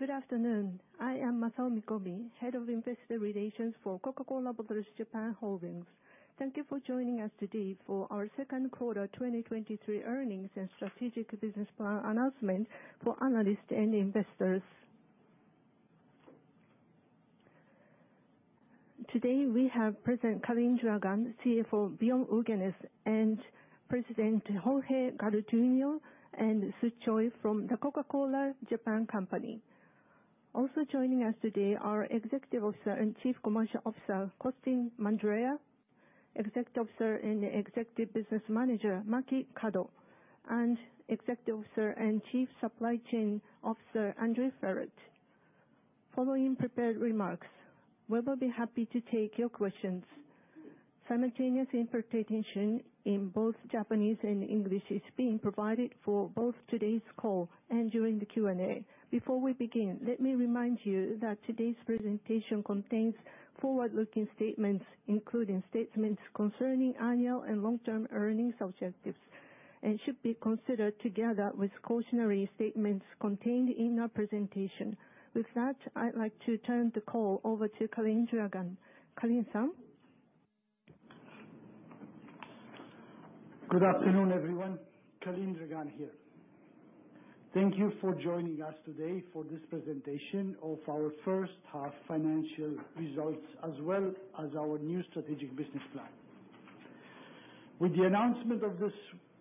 Good afternoon. I am Masaomi Gomi, Head of Investor Relations for Coca-Cola Bottlers Japan Holdings. Thank you for joining us today for our second quarter 2023 earnings and strategic business plan announcement for analysts and investors. Today, we have President Calin Dragan, CFO Björn Ulgenes, and President Jorge Garduño, and Su Choi from The Coca-Cola Japan Company. Joining us today, are Executive Officer and Chief Commercial Officer, Costin Mandrea, Executive Officer and Executive Business Manager, Maki Kado, and Executive Officer and Chief Supply Chain Officer, Andrew Ferrett. Following prepared remarks, we will be happy to take your questions. Simultaneous interpretation in both Japanese and English is being provided for both today's call and during the Q&A. Before we begin, let me remind you that today's presentation contains forward-looking statements, including statements concerning annual and long-term earnings objectives, and should be considered together with cautionary statements contained in our presentation. With that, I'd like to turn the call over to Calin Dragan. Calin, sir? Good afternoon, everyone. Calin Dragan here. Thank you for joining us today for this presentation of our first half financial results, as well as our new Strategic Business Plan. With the announcement of this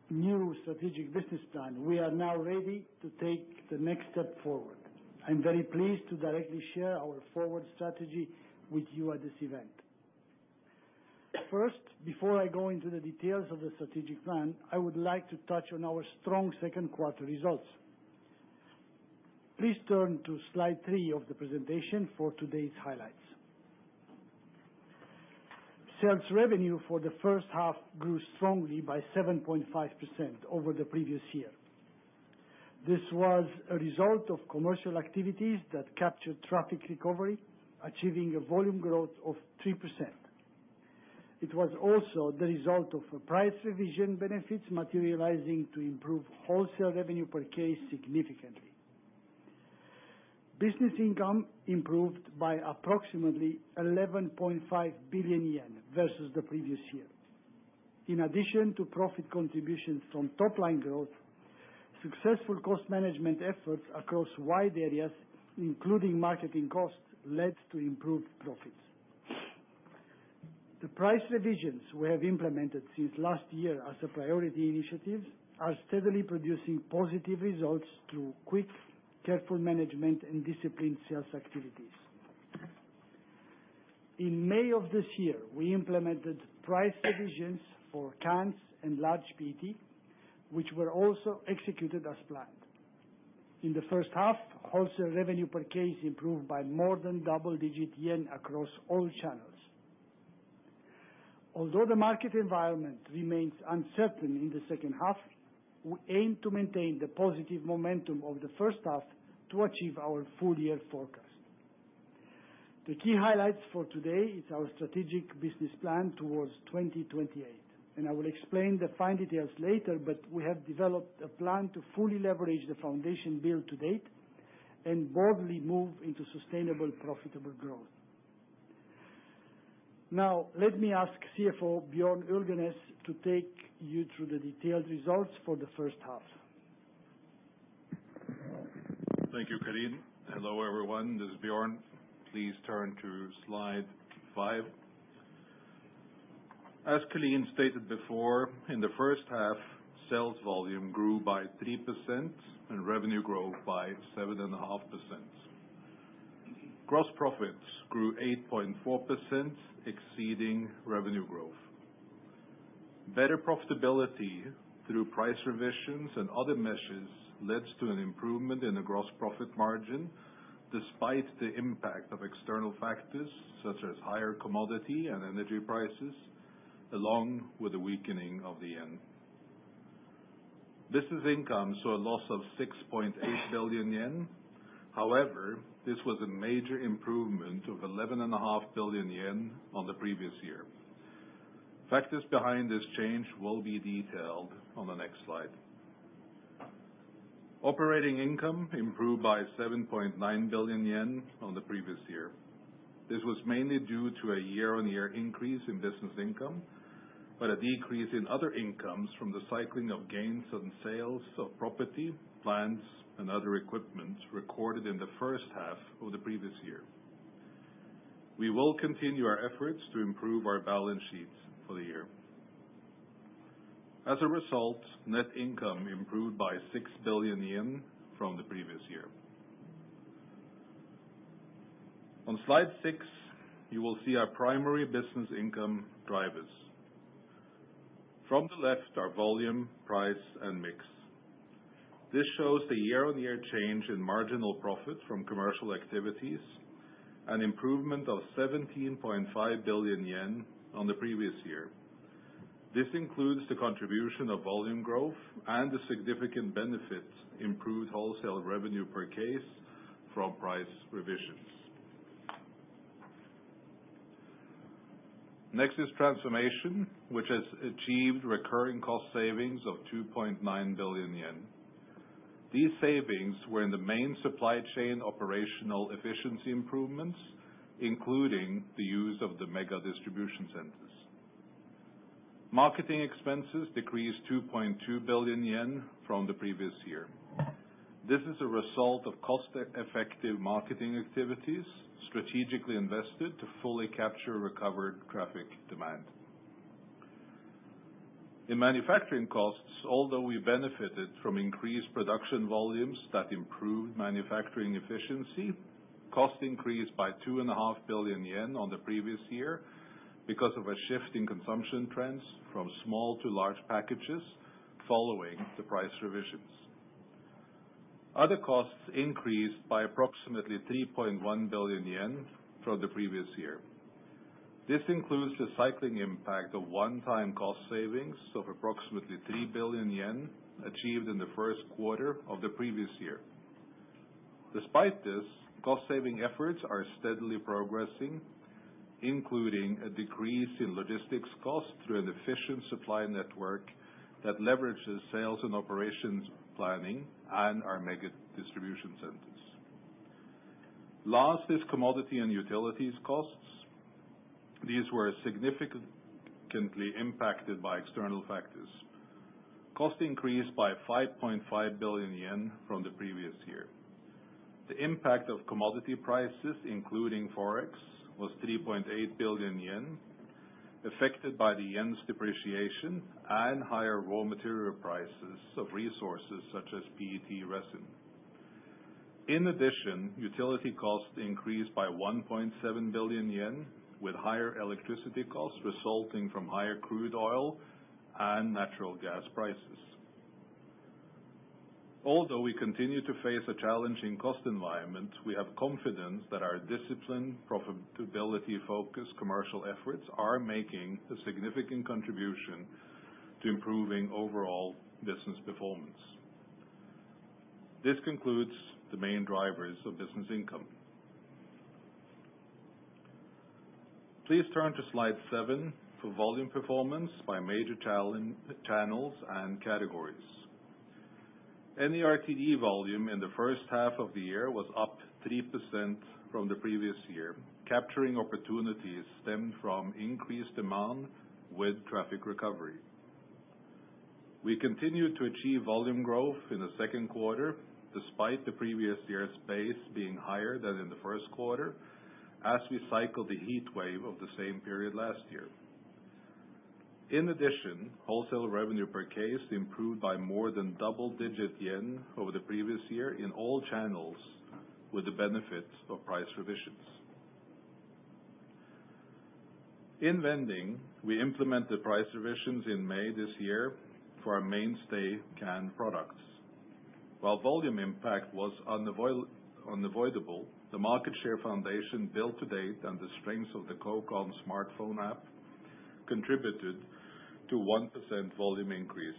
new Strategic Business Plan, we are now ready to take the next step forward. I'm very pleased to directly share our forward strategy with you at this event. First, before I go into the details of the Strategic Business Plan, I would like to touch on our strong second quarter results. Please turn to slide three of the presentation for today's highlights. Sales revenue for the first half grew strongly by 7.5% over the previous year. This was a result of commercial activities that captured traffic recovery, achieving a volume growth of 3%. It was also the result of a price revision benefits materializing to improve wholesale revenue per case significantly. Business income improved by approximately 11.5 billion yen versus the previous year. In addition to profit contributions from top line growth, successful cost management efforts across wide areas, including marketing costs, led to improved profits. The price revisions we have implemented since last year as a priority initiatives, are steadily producing positive results through quick, careful management, and disciplined sales activities. In May of this year, we implemented price revisions for cans and large PET, which were also executed as planned. In the first half, wholesale revenue per case improved by more than double-digit JPY across all channels. Although the market environment remains uncertain in the second half, we aim to maintain the positive momentum of the first half to achieve our full year forecast. The key highlights for today is our Strategic Business Plan towards 2028. I will explain the fine details later. We have developed a plan to fully leverage the foundation built to date and boldly move into sustainable, profitable growth. Let me ask CFO, Björn Ulgenes, to take you through the detailed results for the first half. Thank you, Calin. Hello, everyone, this is Björn. Please turn to slide five. As Calin stated before, in the first half, sales volume grew by 3% and revenue grew by 7.5%. Gross profits grew 8.4%, exceeding revenue growth. Better profitability through price revisions and other measures led to an improvement in the gross profit margin, despite the impact of external factors such as higher commodity and energy prices, along with the weakening of the yen. Business income saw a loss of 6.8 billion yen. However, this was a major improvement of 11.5 billion yen on the previous year. Factors behind this change will be detailed on the next slide. Operating income improved by 7.9 billion yen on the previous year. This was mainly due to a year-on-year increase in business income, but a decrease in other incomes from the cycling of gains on sales of property, plants, and other equipment recorded in the first half of the previous year. We will continue our efforts to improve our balance sheets for the year. As a result, net income improved by 6 billion yen from the previous year. On slide six, you will see our primary business income drivers. From the left are volume, price, and mix. This shows the year-on-year change in marginal profit from commercial activities, an improvement of 17.5 billion yen on the previous year. This includes the contribution of volume growth and the significant benefits, improved wholesale revenue per case from price revisions. Next is transformation, which has achieved recurring cost savings of 2.9 billion yen. These savings were in the main supply chain operational efficiency improvements, including the use of the Mega Distribution Centers. Marketing expenses decreased 2.2 billion yen from the previous year. This is a result of cost-effective marketing activities, strategically invested to fully capture recovered traffic demand. In manufacturing costs, although we benefited from increased production volumes that improved manufacturing efficiency, costs increased by 2.5 billion yen on the previous year because of a shift in consumption trends from small to large packages, following the price revisions. Other costs increased by approximately 3.1 billion yen from the previous year. This includes the cycling impact of one-time cost savings of approximately 3 billion yen, achieved in the first quarter of the previous year. Despite this, cost-saving efforts are steadily progressing, including a decrease in logistics costs through an efficient supply network that leverages sales and operations planning and our Mega Distribution Centers. Last is commodity and utilities costs. These were significantly impacted by external factors. Cost increased by 5.5 billion yen from the previous year. The impact of commodity prices, including forex, was 3.8 billion yen, affected by the yen's depreciation and higher raw material prices of resources, such as PET resin. In addition, utility costs increased by 1.7 billion yen, with higher electricity costs resulting from higher crude oil and natural gas prices. Although we continue to face a challenging cost environment, we have confidence that our disciplined, profitability-focused commercial efforts are making a significant contribution to improving overall business performance. This concludes the main drivers of business income. Please turn to slide seven for volume performance by major channels and categories. NARTD volume in the first half of the year was up 3% from the previous year, capturing opportunities stemmed from increased demand with traffic recovery. We continued to achieve volume growth in the second quarter, despite the previous year's base being higher than in the first quarter, as we cycled the heat wave of the same period last year. In addition, wholesale revenue per case improved by more than double-digit yen over the previous year in all channels, with the benefits of price revisions. In vending, we implemented price revisions in May this year for our mainstay canned products. While volume impact was unavoidable, the market share foundation built to date and the strengths of the Coca-Cola smartphone app contributed to 1% volume increase,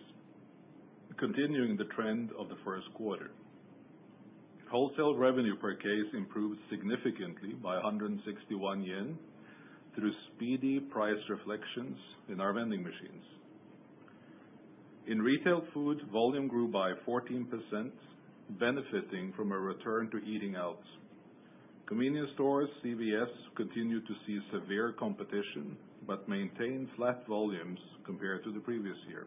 continuing the trend of the first quarter. Wholesale revenue per case improved significantly by 161 yen through speedy price reflections in our vending machines. In retail food, volume grew by 14%, benefiting from a return to eating out. Convenience stores, CVS, continued to see severe competition, but maintained flat volumes compared to the previous year.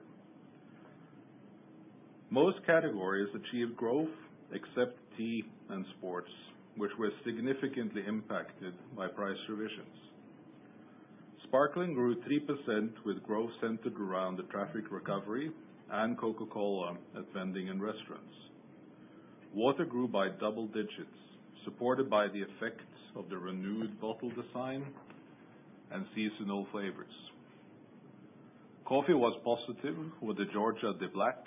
Most categories achieved growth, except tea and sports, which were significantly impacted by price revisions. Sparkling grew 3%, with growth centered around the traffic recovery and Coca-Cola at vending in restaurants. Water grew by double digits, supported by the effects of the renewed bottle design and seasonal flavors. Coffee was positive, with the GEORGIA THE BLACK,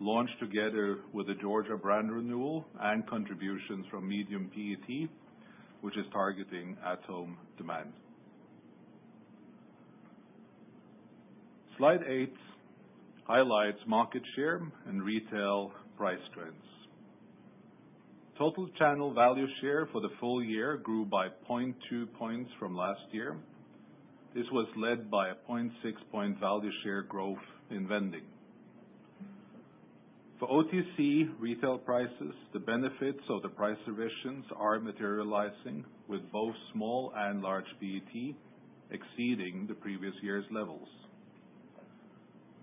launched together with the Georgia brand renewal and contributions from medium PET, which is targeting at-home demand. Slide eight highlights market share and retail price trends. Total channel value share for the full year grew by 0.2 points from last year. This was led by a 0.6 point value share growth in vending. For OTC retail prices, the benefits of the price revisions are materializing, with both small and large PET exceeding the previous year's levels.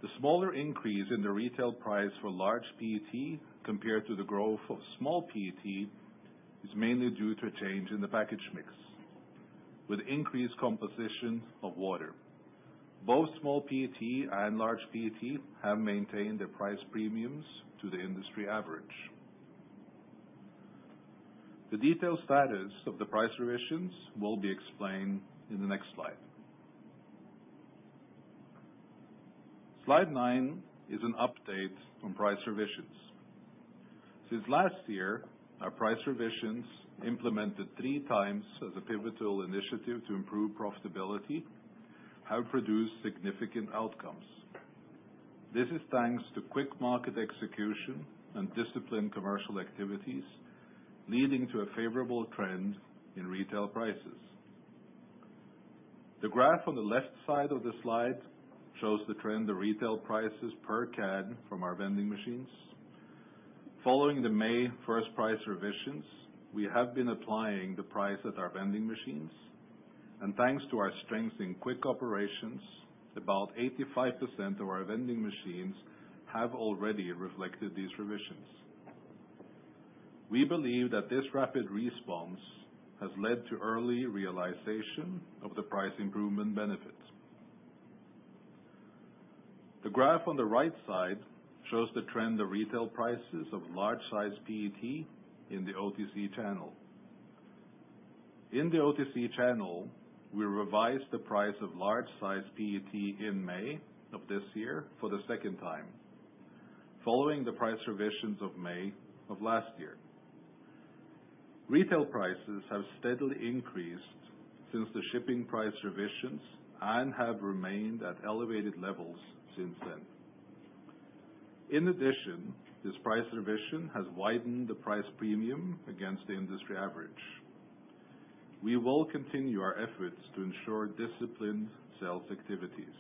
The smaller increase in the retail price for large PET, compared to the growth of small PET, is mainly due to a change in the package mix, with increased composition of water. Both small PET and large PET have maintained their price premiums to the industry average. The detailed status of the price revisions will be explained in the next slide. Slide nine is an update on price revisions. Since last year, our price revisions, implemented 3x as a pivotal initiative to improve profitability, have produced significant outcomes. This is thanks to quick market execution and disciplined commercial activities, leading to a favorable trend in retail prices. The graph on the left side of the slide shows the trend of retail prices per can from our vending machines. Following the May 1st price revisions, we have been applying the price at our vending machines, and thanks to our strength in quick operations, about 85% of our vending machines have already reflected these revisions. We believe that this rapid response has led to early realization of the price improvement benefits. The graph on the right side shows the trend of retail prices of large size PET in the OTC channel. In the OTC channel, we revised the price of large size PET in May of this year for the second time, following the price revisions of May of last year. Retail prices have steadily increased since the shipping price revisions and have remained at elevated levels since then. In addition, this price revision has widened the price premium against the industry average. We will continue our efforts to ensure disciplined sales activities.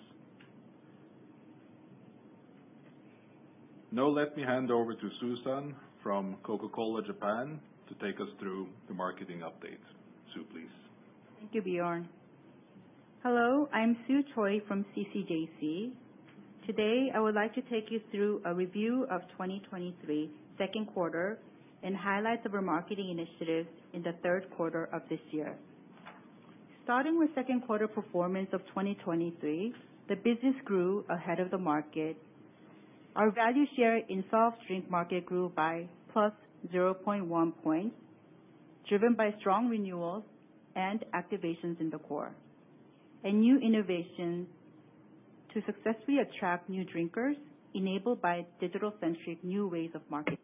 Now, let me hand over to Susan from Coca-Cola Japan to take us through the marketing update. Su, please. Thank you, Björn. Hello, I'm Su Choi from CCJC. Today, I would like to take you through a review of 2023 second quarter, and highlight of our marketing initiatives in the third quarter of this year. Starting with second quarter performance of 2023, the business grew ahead of the market. Our value share in soft drink market grew by +0.1 points, driven by strong renewals and activations in the core, and new innovations to successfully attract new drinkers, enabled by digital-centric new ways of marketing.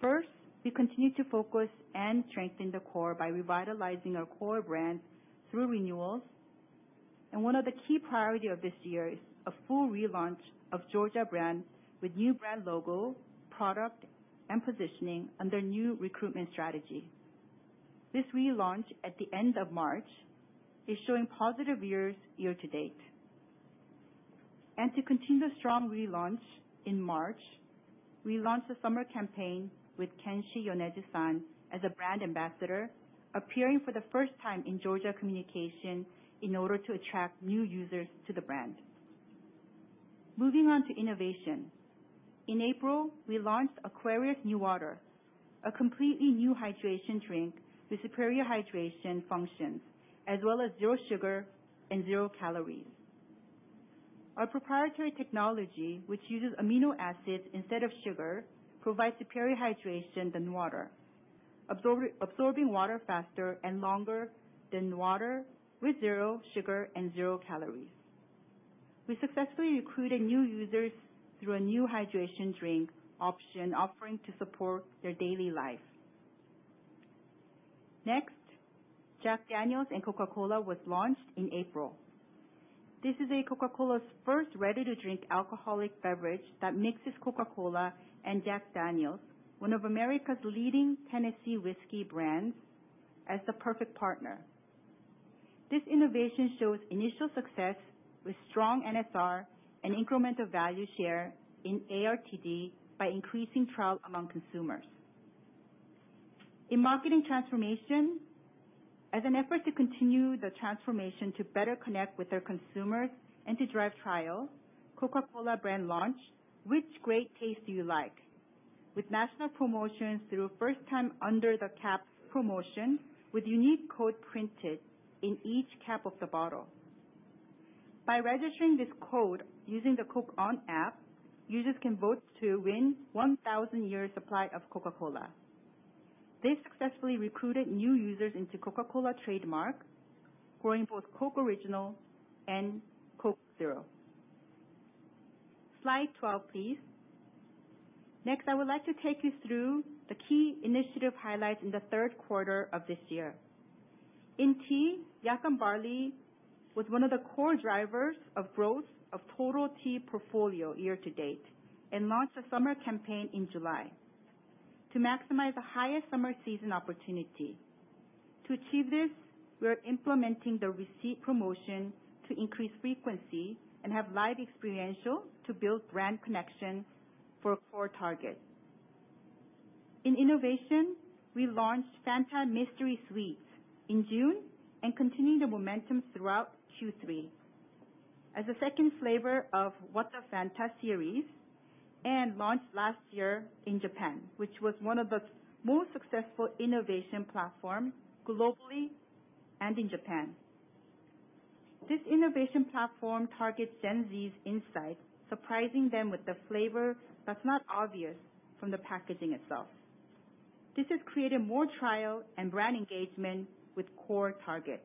First, we continue to focus and strengthen the core by revitalizing our core brands through renewals, and one of the key priority of this year is a full relaunch of Georgia brand with new brand logo, product, and positioning under new recruitment strategy. This relaunch at the end of March, is showing positive years year-to-date. To continue the strong relaunch in March, we launched a summer campaign with Kenshi Yonezu-san as a brand ambassador, appearing for the first time in Georgia communication in order to attract new users to the brand. Moving on to innovation. In April, we launched Aquarius NEWATER, a completely new hydration drink with superior hydration functions, as well as zero sugar and zero calories. Our proprietary technology, which uses amino acids instead of sugar, provides superior hydration than water, absorbing water faster and longer than water with zero sugar and zero calories. We successfully recruited new users through a new hydration drink option, offering to support their daily life. Next, Jack Daniel's & Coca-Cola was launched in April. This is a Coca-Cola's first ready-to-drink alcoholic beverage that mixes Coca-Cola and Jack Daniel's, one of America's leading Tennessee whiskey brands, as the perfect partner. This innovation shows initial success with strong NSR and incremental value share in ARTD by increasing trial among consumers. In marketing transformation, as an effort to continue the transformation to better connect with our consumers and to drive trial, Coca-Cola brand launch, "Which great taste do you like?" With national promotions through first time under the caps promotion, with unique code printed in each cap of the bottle. By registering this code using the Coke ON app, users can vote to win 1,000 year supply of Coca-Cola. This successfully recruited new users into Coca-Cola trademark, growing both Coke Original and Coke Zero. Slide 12, please. Next, I would like to take you through the key initiative highlights in the third quarter of this year. In tea, Yakan Barley was one of the core drivers of growth of total tea portfolio year to date, and launched a summer campaign in July to maximize the highest summer season opportunity. To achieve this, we are implementing the receipt promotion to increase frequency and have live experiential to build brand connection for core targets. In innovation, we launched Fanta Mystery Sweet in June and continued the momentum throughout Q3. As a second flavor of WhatTheFanta series and launched last year in Japan, which was one of the most successful innovation platform globally and in Japan. This innovation platform targets Gen Z's insight, surprising them with the flavor that's not obvious from the packaging itself. This has created more trial and brand engagement with core targets.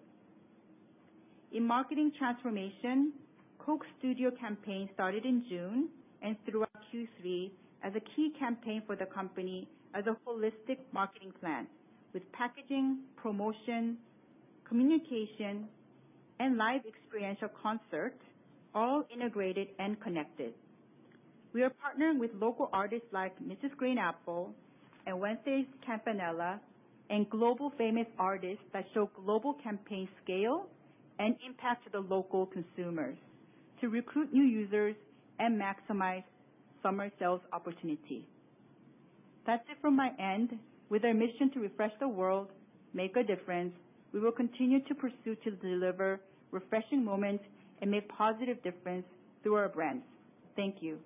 In marketing transformation, Coke Studio campaign started in June and throughout Q3 as a key campaign for the company as a holistic marketing plan with packaging, promotion, communication, and live experiential concerts, all integrated and connected. We are partnering with local artists like Mrs. GREEN APPLE and Wednesday Campanella, and global famous artists that show global campaign scale and impact to the local consumers to recruit new users and maximize summer sales opportunity. That's it from my end. With our mission to refresh the world, make a difference, we will continue to pursue to deliver refreshing moments and make positive difference through our brands. Thank you.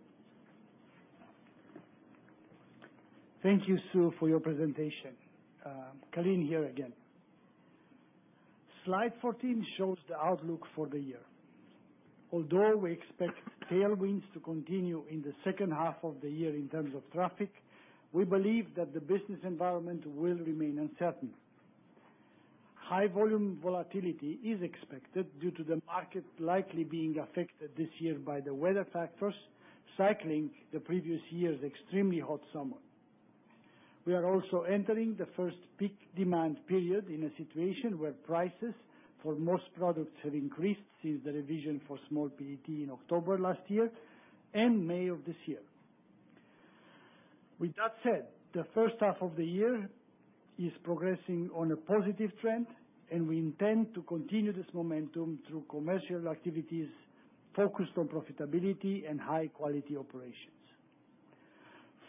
Thank you, Su, for your presentation. Calin here again. Slide 14 shows the outlook for the year. Although we expect tailwinds to continue in the second half of the year in terms of traffic, we believe that the business environment will remain uncertain. High volume volatility is expected due to the market likely being affected this year by the weather factors, cycling the previous year's extremely hot summer. We are also entering the first peak demand period in a situation where prices for most products have increased since the revision for small PET in October last year and May of this year. With that said, the first half of the year is progressing on a positive trend, and we intend to continue this momentum through commercial activities focused on profitability and high quality operations.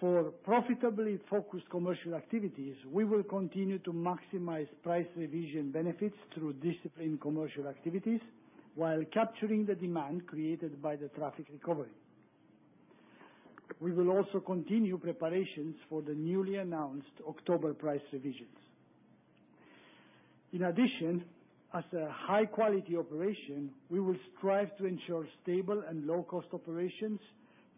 For profitably focused commercial activities, we will continue to maximize price revision benefits through disciplined commercial activities while capturing the demand created by the traffic recovery. We will also continue preparations for the newly announced October price revisions. In addition, as a high quality operation, we will strive to ensure stable and low-cost operations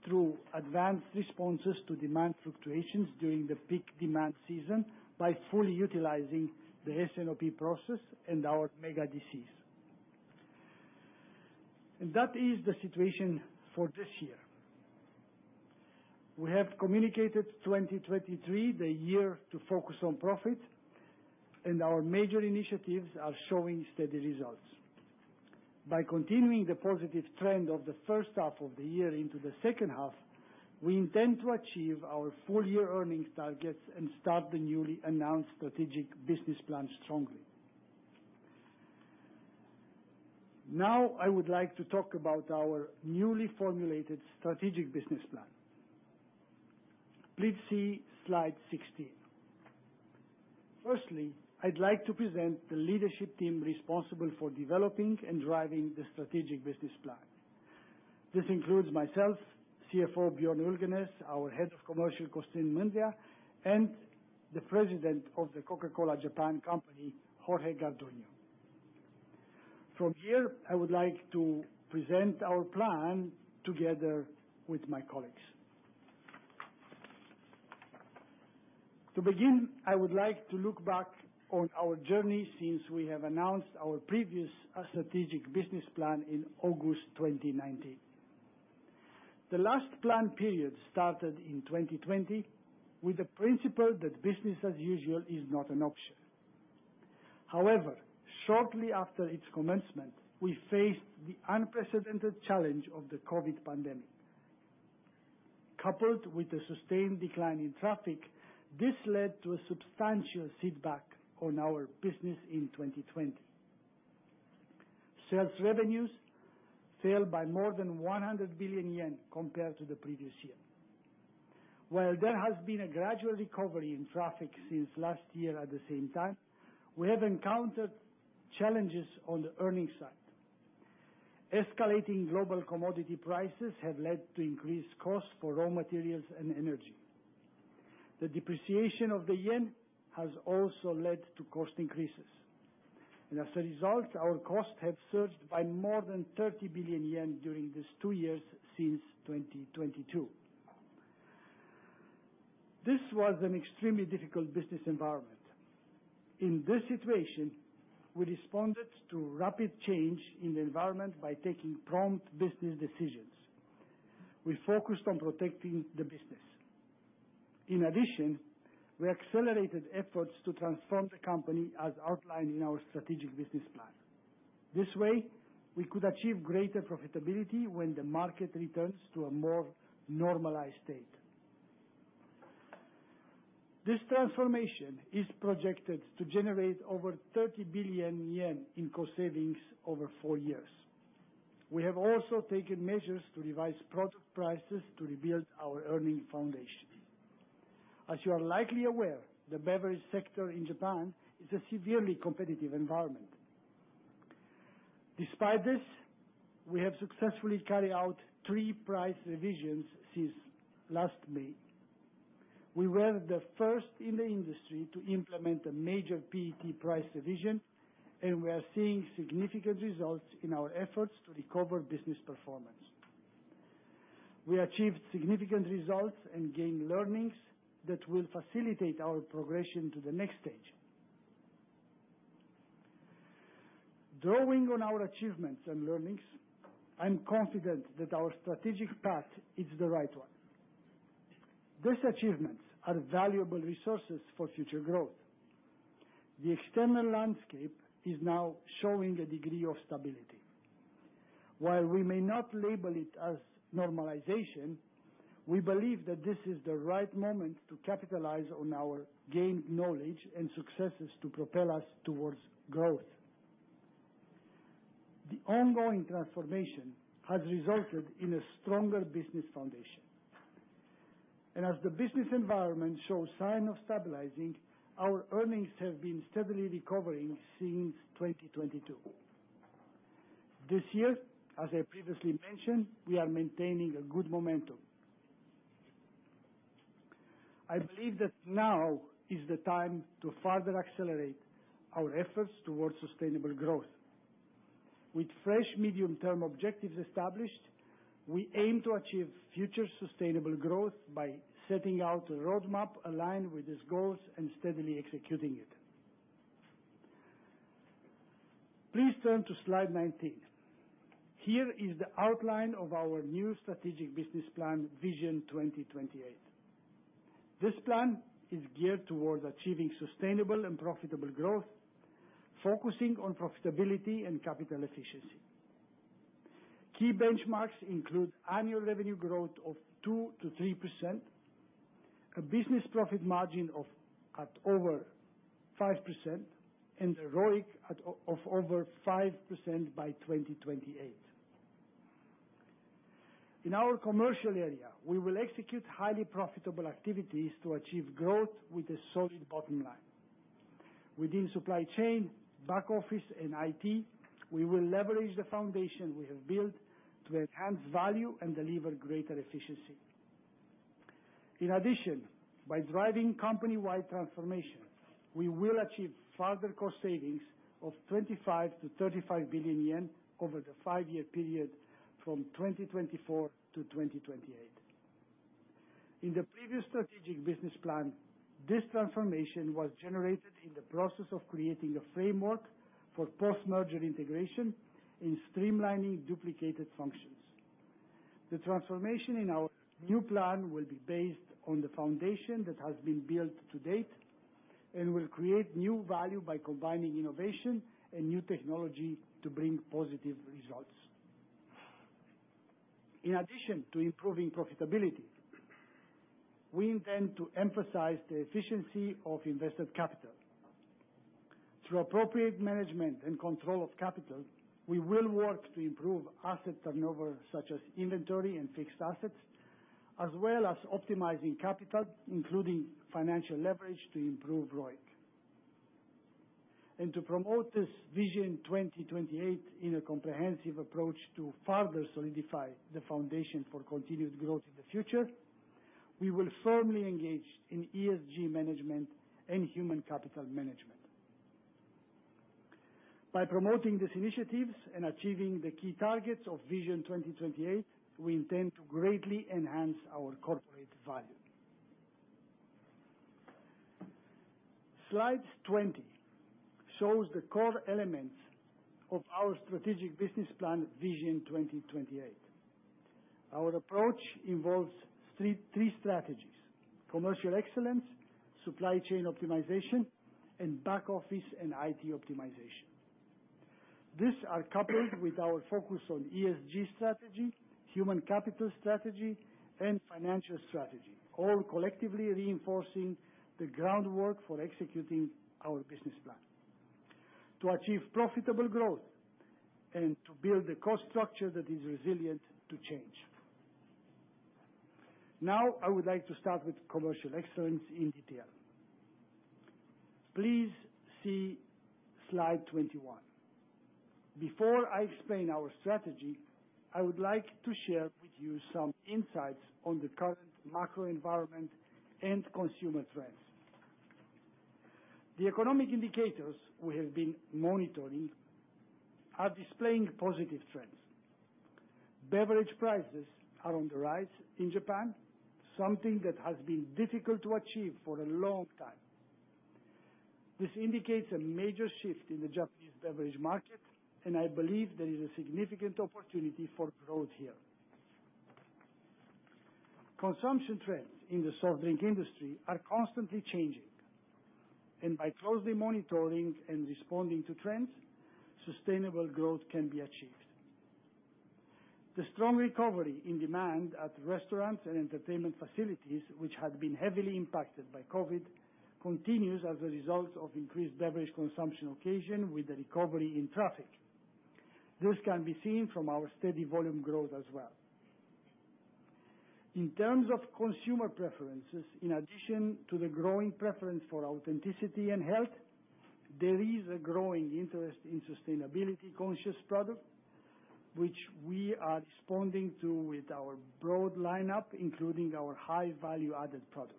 through advanced responses to demand fluctuations during the peak demand season, by fully utilizing the S&OP process and our Mega DCs. That is the situation for this year. We have communicated 2023, the year to focus on profit, and our major initiatives are showing steady results. By continuing the positive trend of the first half of the year into the second half, we intend to achieve our full year earnings targets and start the newly announced Strategic Business Plan strongly. Now, I would like to talk about our newly formulated Strategic Business Plan. Please see slide 16. Firstly, I'd like to present the leadership team responsible for developing and driving the strategic business plan. This includes myself, CFO Björn Ulgenes, our Head of Commercial, Costin Mandrea, and the President of The Coca-Cola Japan Company, Jorge Garduño. From here, I would like to present our plan together with my colleagues. To begin, I would like to look back on our journey since we have announced our previous strategic business plan in August 2019. The last plan period started in 2020, with the principle that business as usual is not an option. Shortly after its commencement, we faced the unprecedented challenge of the COVID pandemic. Coupled with a sustained decline in traffic, this led to a substantial setback on our business in 2020. Sales revenues fell by more than 100 billion yen compared to the previous year. While there has been a gradual recovery in traffic since last year, at the same time, we have encountered challenges on the earnings side. Escalating global commodity prices have led to increased costs for raw materials and energy. The depreciation of the yen has also led to cost increases, and as a result, our costs have surged by more than 30 billion yen during these 2 years, since 2022. This was an extremely difficult business environment. In this situation, we responded to rapid change in the environment by taking prompt business decisions. We focused on protecting the business. In addition, we accelerated efforts to transform the company as outlined in our Strategic Business Plan. This way, we could achieve greater profitability when the market returns to a more normalized state. This transformation is projected to generate over 30 billion yen in cost savings over 4 years. We have also taken measures to revise product prices to rebuild our earning foundation. As you are likely aware, the beverage sector in Japan is a severely competitive environment. Despite this, we have successfully carried out three price revisions since last May. We were the first in the industry to implement a major PET price revision, and we are seeing significant results in our efforts to recover business performance. We achieved significant results and gained learnings that will facilitate our progression to the next stage. Drawing on our achievements and learnings, I'm confident that our strategic path is the right one. These achievements are valuable resources for future growth. The external landscape is now showing a degree of stability. While we may not label it as normalization, we believe that this is the right moment to capitalize on our gained knowledge and successes to propel us towards growth. The ongoing transformation has resulted in a stronger business foundation, and as the business environment shows signs of stabilizing, our earnings have been steadily recovering since 2022. This year, as I previously mentioned, we are maintaining a good momentum. I believe that now is the time to further accelerate our efforts towards sustainable growth. With fresh medium-term objectives established, we aim to achieve future sustainable growth by setting out a roadmap aligned with these goals and steadily executing it. Please turn to slide 19. Here is the outline of our new Strategic Business Plan, Vision 2028. This plan is geared towards achieving sustainable and profitable growth, focusing on profitability and capital efficiency. Key benchmarks include annual revenue growth of 2%-3%, a business profit margin of at over 5%, and a ROIC of over 5% by 2028. In our commercial area, we will execute highly profitable activities to achieve growth with a solid bottom line. Within supply chain, back office, and IT, we will leverage the foundation we have built to enhance value and deliver greater efficiency. In addition, by driving company-wide transformation, we will achieve further cost savings of 25 billion-35 billion yen over the 5-year period from 2024-2028. In the previous Strategic Business Plan, this transformation was generated in the process of creating a framework for post-merger integration in streamlining duplicated functions. The transformation in our new plan will be based on the foundation that has been built to date and will create new value by combining innovation and new technology to bring positive results. In addition to improving profitability, we intend to emphasize the efficiency of invested capital. Through appropriate management and control of capital, we will work to improve asset turnover, such as inventory and fixed assets, as well as optimizing capital, including financial leverage, to improve ROIC. To promote this Vision 2028 in a comprehensive approach to further solidify the foundation for continued growth in the future, we will firmly engage in ESG management and human capital management. By promoting these initiatives and achieving the key targets of Vision 2028, we intend to greatly enhance our corporate value. Slide 20 shows the core elements of our strategic business plan, Vision 2028. Our approach involves three strategies: commercial excellence, supply chain optimization, and back office and IT optimization. These are coupled with our focus on ESG strategy, human capital strategy, and financial strategy, all collectively reinforcing the groundwork for executing our business plan to achieve profitable growth and to build a cost structure that is resilient to change. I would like to start with commercial excellence in detail. Please see slide 21. Before I explain our strategy, I would like to share with you some insights on the current macro environment and consumer trends. The economic indicators we have been monitoring are displaying positive trends. Beverage prices are on the rise in Japan, something that has been difficult to achieve for a long time. This indicates a major shift in the Japanese beverage market, and I believe there is a significant opportunity for growth here. Consumption trends in the soft drink industry are constantly changing, and by closely monitoring and responding to trends, sustainable growth can be achieved. The strong recovery in demand at restaurants and entertainment facilities, which had been heavily impacted by COVID, continues as a result of increased beverage consumption occasion with a recovery in traffic. This can be seen from our steady volume growth as well. In terms of consumer preferences, in addition to the growing preference for authenticity and health, there is a growing interest in sustainability-conscious products, which we are responding to with our broad lineup, including our high value-added products.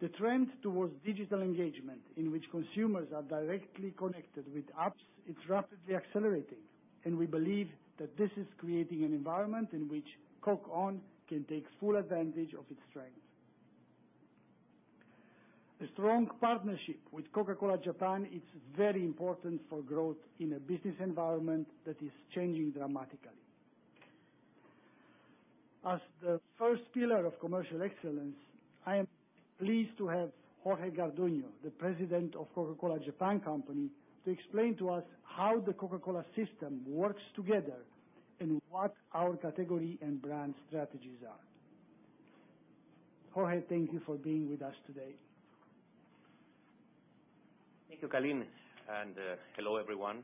The trend towards digital engagement, in which consumers are directly connected with apps, is rapidly accelerating, and we believe that this is creating an environment in which Coke ON can take full advantage of its strength. A strong partnership with Coca-Cola Japan is very important for growth in a business environment that is changing dramatically. As the first pillar of commercial excellence, I am pleased to have Jorge Garduño, the President of Coca-Cola Japan Company, to explain to us how the Coca-Cola system works together and what our category and brand strategies are. Jorge, thank you for being with us today. Thank you, Calin, and hello, everyone.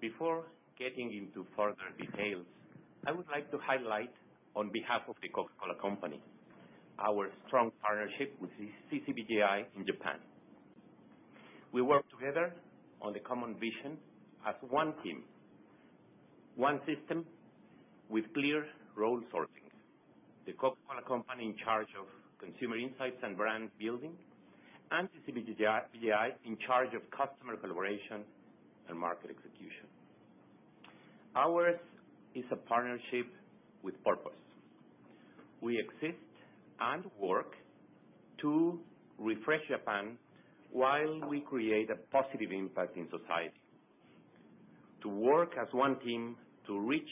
Before getting into further details, I would like to highlight on behalf of The Coca-Cola Company, our strong partnership with Coca-Cola Bottlers Japan in Japan. We work together on the common vision as one team, one system with clear role sortings. The Coca-Cola Company in charge of consumer insights and brand building, and Coca-Cola Bottlers Japan, in charge of customer collaboration and market execution. Ours is a partnership with purpose. We exist and work to refresh Japan while we create a positive impact in society. To work as one team to reach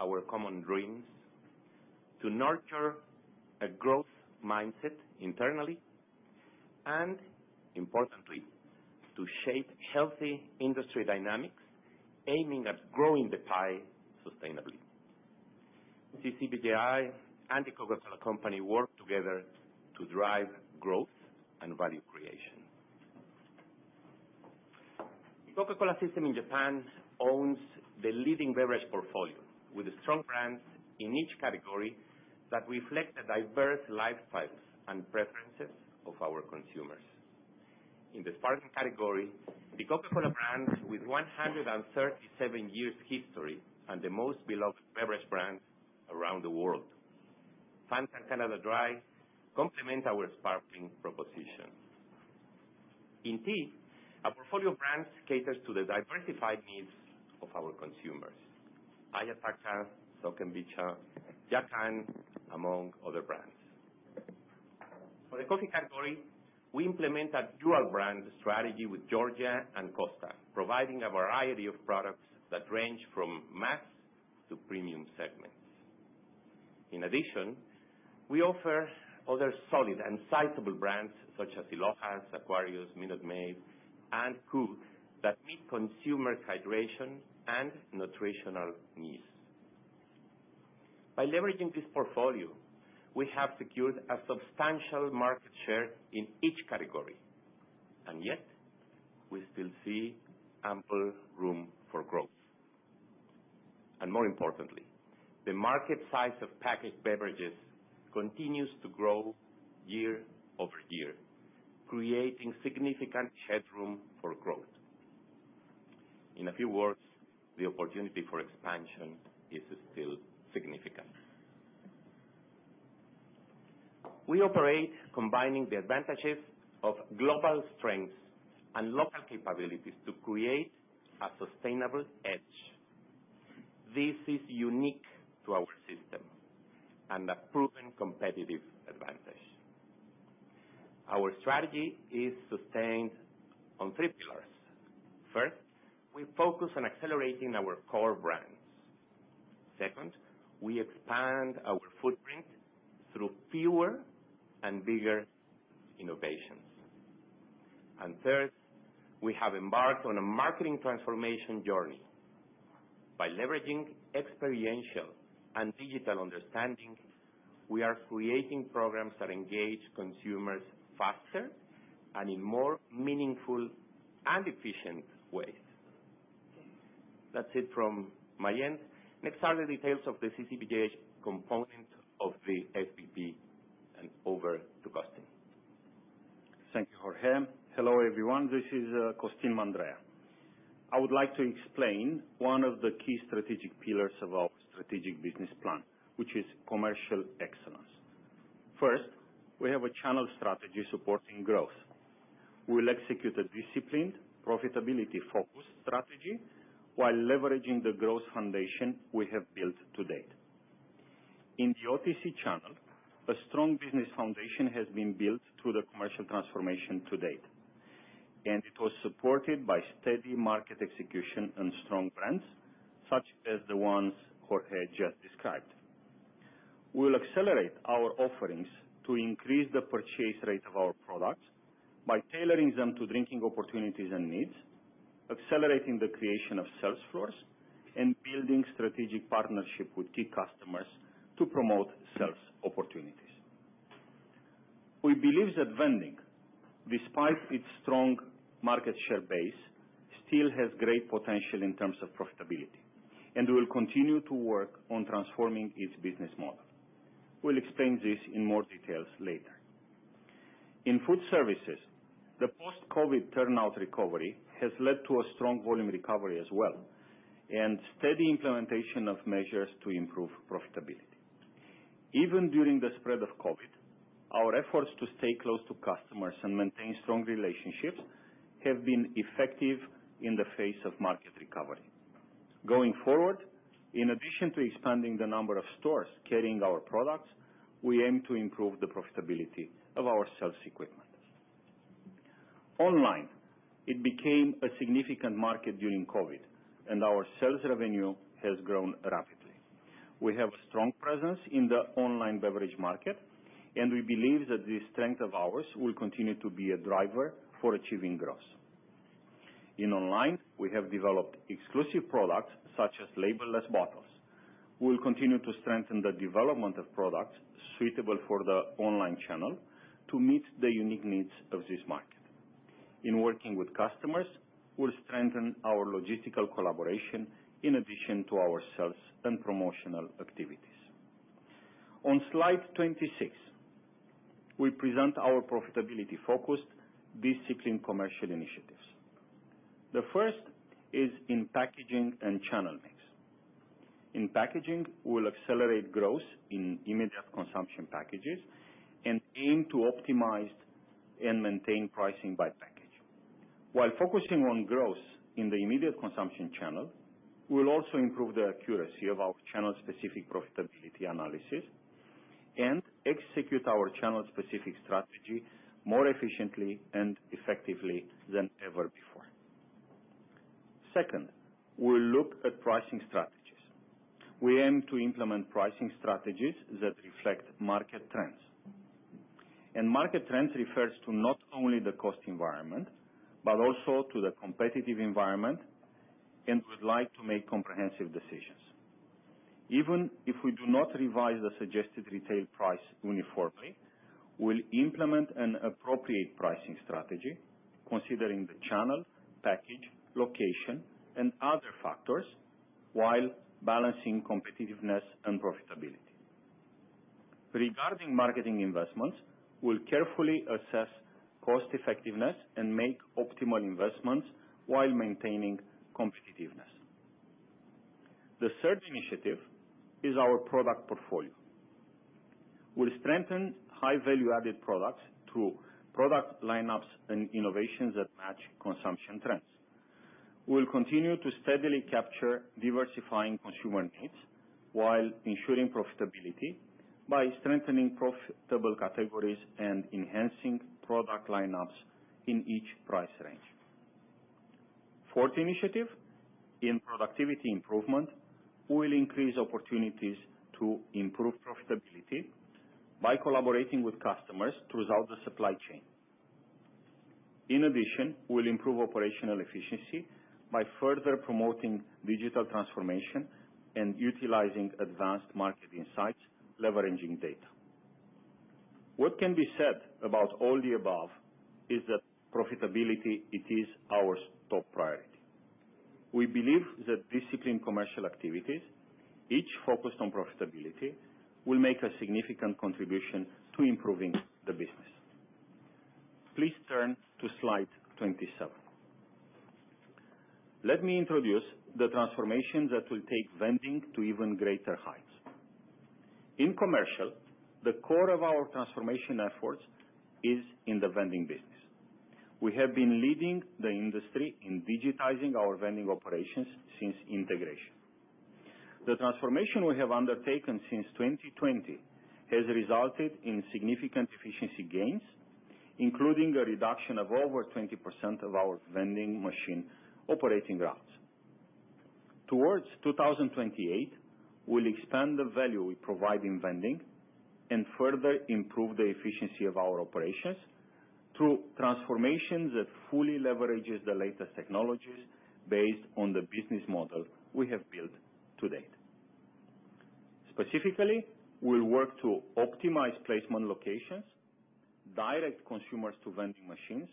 our common dreams, to nurture a growth mindset internally, and importantly, to shape healthy industry dynamics, aiming at growing the pie sustainably. Coca-Cola Bottlers Japan and The Coca-Cola Company work together to drive growth and value creation. The Coca-Cola system in Japan owns the leading beverage portfolio, with strong brands in each category that reflect the diverse lifestyles and preferences of our consumers. In the sparkling category, the Coca-Cola brand, with 137 years history and the most beloved beverage brand around the world. Fanta, Canada Dry complement our sparkling proposition. Indeed, our portfolio of brands caters to the diversified needs of our consumers, Ayataka, Sokenbicha, Yakan, among other brands. For the coffee category, we implement a dual brand strategy with Georgia and Costa, providing a variety of products that range from mass to premium segments. In addition, we offer other solid and sizable brands such as I LOHAS, Aquarius, Minute Maid, and Qoo that meet consumer hydration and nutritional needs. By leveraging this portfolio, we have secured a substantial market share in each category, and yet, we still see ample room for growth. More importantly, the market size of packaged beverages continues to grow year-over-year, creating significant headroom for growth. In a few words, the opportunity for expansion is still significant. We operate combining the advantages of global strengths and local capabilities to create a sustainable edge. This is unique to our system and a proven competitive advantage. Our strategy is sustained on three pillars. First, we focus on accelerating our core brands. Second, we expand our footprint through fewer and bigger innovations. Third, we have embarked on a marketing transformation journey. By leveraging experiential and digital understanding, we are creating programs that engage consumers faster and in more meaningful and efficient ways. That's it from my end. Next are the details of the Coca-Cola Bottlers Japan component of the SBP. Over to Costin. Thank you, Jorge. Hello, everyone, this is Costin Mandrea. I would like to explain one of the key strategic pillars of our strategic business plan, which is commercial excellence. First, we have a channel strategy supporting growth. We will execute a disciplined, profitability-focused strategy while leveraging the growth foundation we have built to date. In the OTC channel, a strong business foundation has been built through the commercial transformation to date, and it was supported by steady market execution and strong brands, such as the ones Jorge just described. We'll accelerate our offerings to increase the purchase rate of our products by tailoring them to drinking opportunities and needs, accelerating the creation of sales floors, and building strategic partnership with key customers to promote sales opportunities. We believe that vending, despite its strong market share base, still has great potential in terms of profitability, and we will continue to work on transforming its business model. We'll explain this in more details later. In food services, the post-COVID turnout recovery has led to a strong volume recovery as well, and steady implementation of measures to improve profitability. Even during the spread of COVID, our efforts to stay close to customers and maintain strong relationships have been effective in the face of market recovery. Going forward, in addition to expanding the number of stores carrying our products, we aim to improve the profitability of our sales equipment. Online, it became a significant market during COVID, and our sales revenue has grown rapidly. We have strong presence in the online beverage market, and we believe that this strength of ours will continue to be a driver for achieving growth. In online, we have developed exclusive products, such as label-less bottles. We'll continue to strengthen the development of products suitable for the online channel to meet the unique needs of this market. In working with customers, we'll strengthen our logistical collaboration in addition to our sales and promotional activities. On slide 26, we present our profitability-focused, disciplined commercial initiatives. The first is in packaging and channel mix. In packaging, we'll accelerate growth in immediate consumption packages and aim to optimize and maintain pricing by package. While focusing on growth in the immediate consumption channel, we'll also improve the accuracy of our channel-specific profitability analysis and execute our channel-specific strategy more efficiently and effectively than ever before. Second, we'll look at pricing strategies. We aim to implement pricing strategies that reflect market trends. Market trends refers to not only the cost environment, but also to the competitive environment, and we'd like to make comprehensive decisions. Even if we do not revise the suggested retail price uniformly, we'll implement an appropriate pricing strategy, considering the channel, package, location, and other factors, while balancing competitiveness and profitability. Regarding marketing investments, we'll carefully assess cost effectiveness and make optimal investments while maintaining competitiveness. The third initiative is our product portfolio. We'll strengthen high value-added products through product lineups and innovations that match consumption trends. We'll continue to steadily capture diversifying consumer needs while ensuring profitability by strengthening profitable categories and enhancing product lineups in each price range. Fourth initiative, in productivity improvement, we'll increase opportunities to improve profitability by collaborating with customers throughout the supply chain. In addition, we'll improve operational efficiency by further promoting digital transformation and utilizing advanced market insights, leveraging data. What can be said about all the above is that profitability, it is our top priority. We believe that disciplined commercial activities, each focused on profitability, will make a significant contribution to improving the business. Please turn to slide 27. Let me introduce the transformation that will take vending to even greater heights. In commercial, the core of our transformation efforts is in the vending business. We have been leading the industry in digitizing our vending operations since integration. The transformation we have undertaken since 2020, has resulted in significant efficiency gains, including a reduction of over 20% of our vending machine operating routes. Towards 2028, we'll expand the value we provide in vending and further improve the efficiency of our operations through transformation that fully leverages the latest technologies based on the business model we have built to date. Specifically, we'll work to optimize placement locations, direct consumers to vending machines,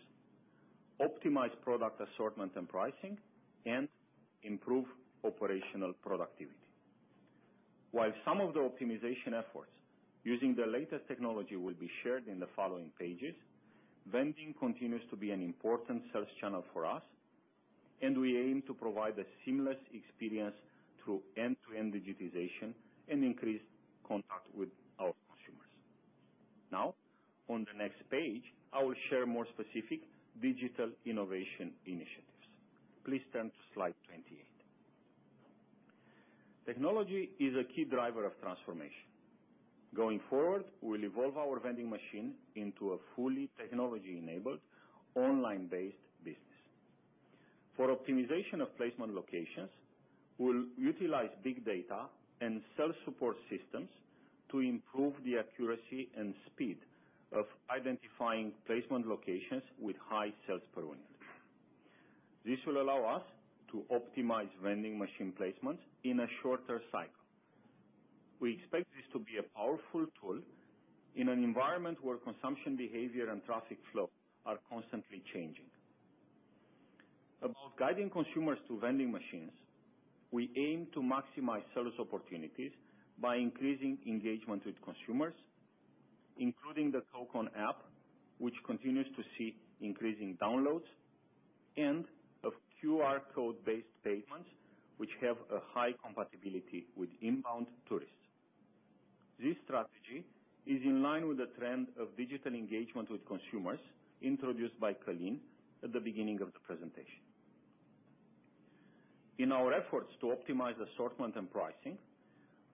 optimize product assortment and pricing, and improve operational productivity. While some of the optimization efforts using the latest technology will be shared in the following pages, vending continues to be an important sales channel for us, and we aim to provide a seamless experience through end-to-end digitization and increase contact with our consumers. Now, on the next page, I will share more specific digital innovation initiatives. Please turn to slide 28. Technology is a key driver of transformation. Going forward, we'll evolve our vending machine into a fully technology-enabled, online-based business. For optimization of placement locations, we'll utilize big data and self-support systems to improve the accuracy and speed of identifying placement locations with high sales per unit. This will allow us to optimize vending machine placements in a shorter cycle. We expect this to be a powerful tool in an environment where consumption behavior and traffic flow are constantly changing. About guiding consumers to vending machines, we aim to maximize sales opportunities by increasing engagement with consumers, including the Coke ON app, which continues to see increasing downloads, and of QR code-based payments, which have a high compatibility with inbound tourists. This strategy is in line with the trend of digital engagement with consumers, introduced by Calin at the beginning of the presentation. In our efforts to optimize assortment and pricing,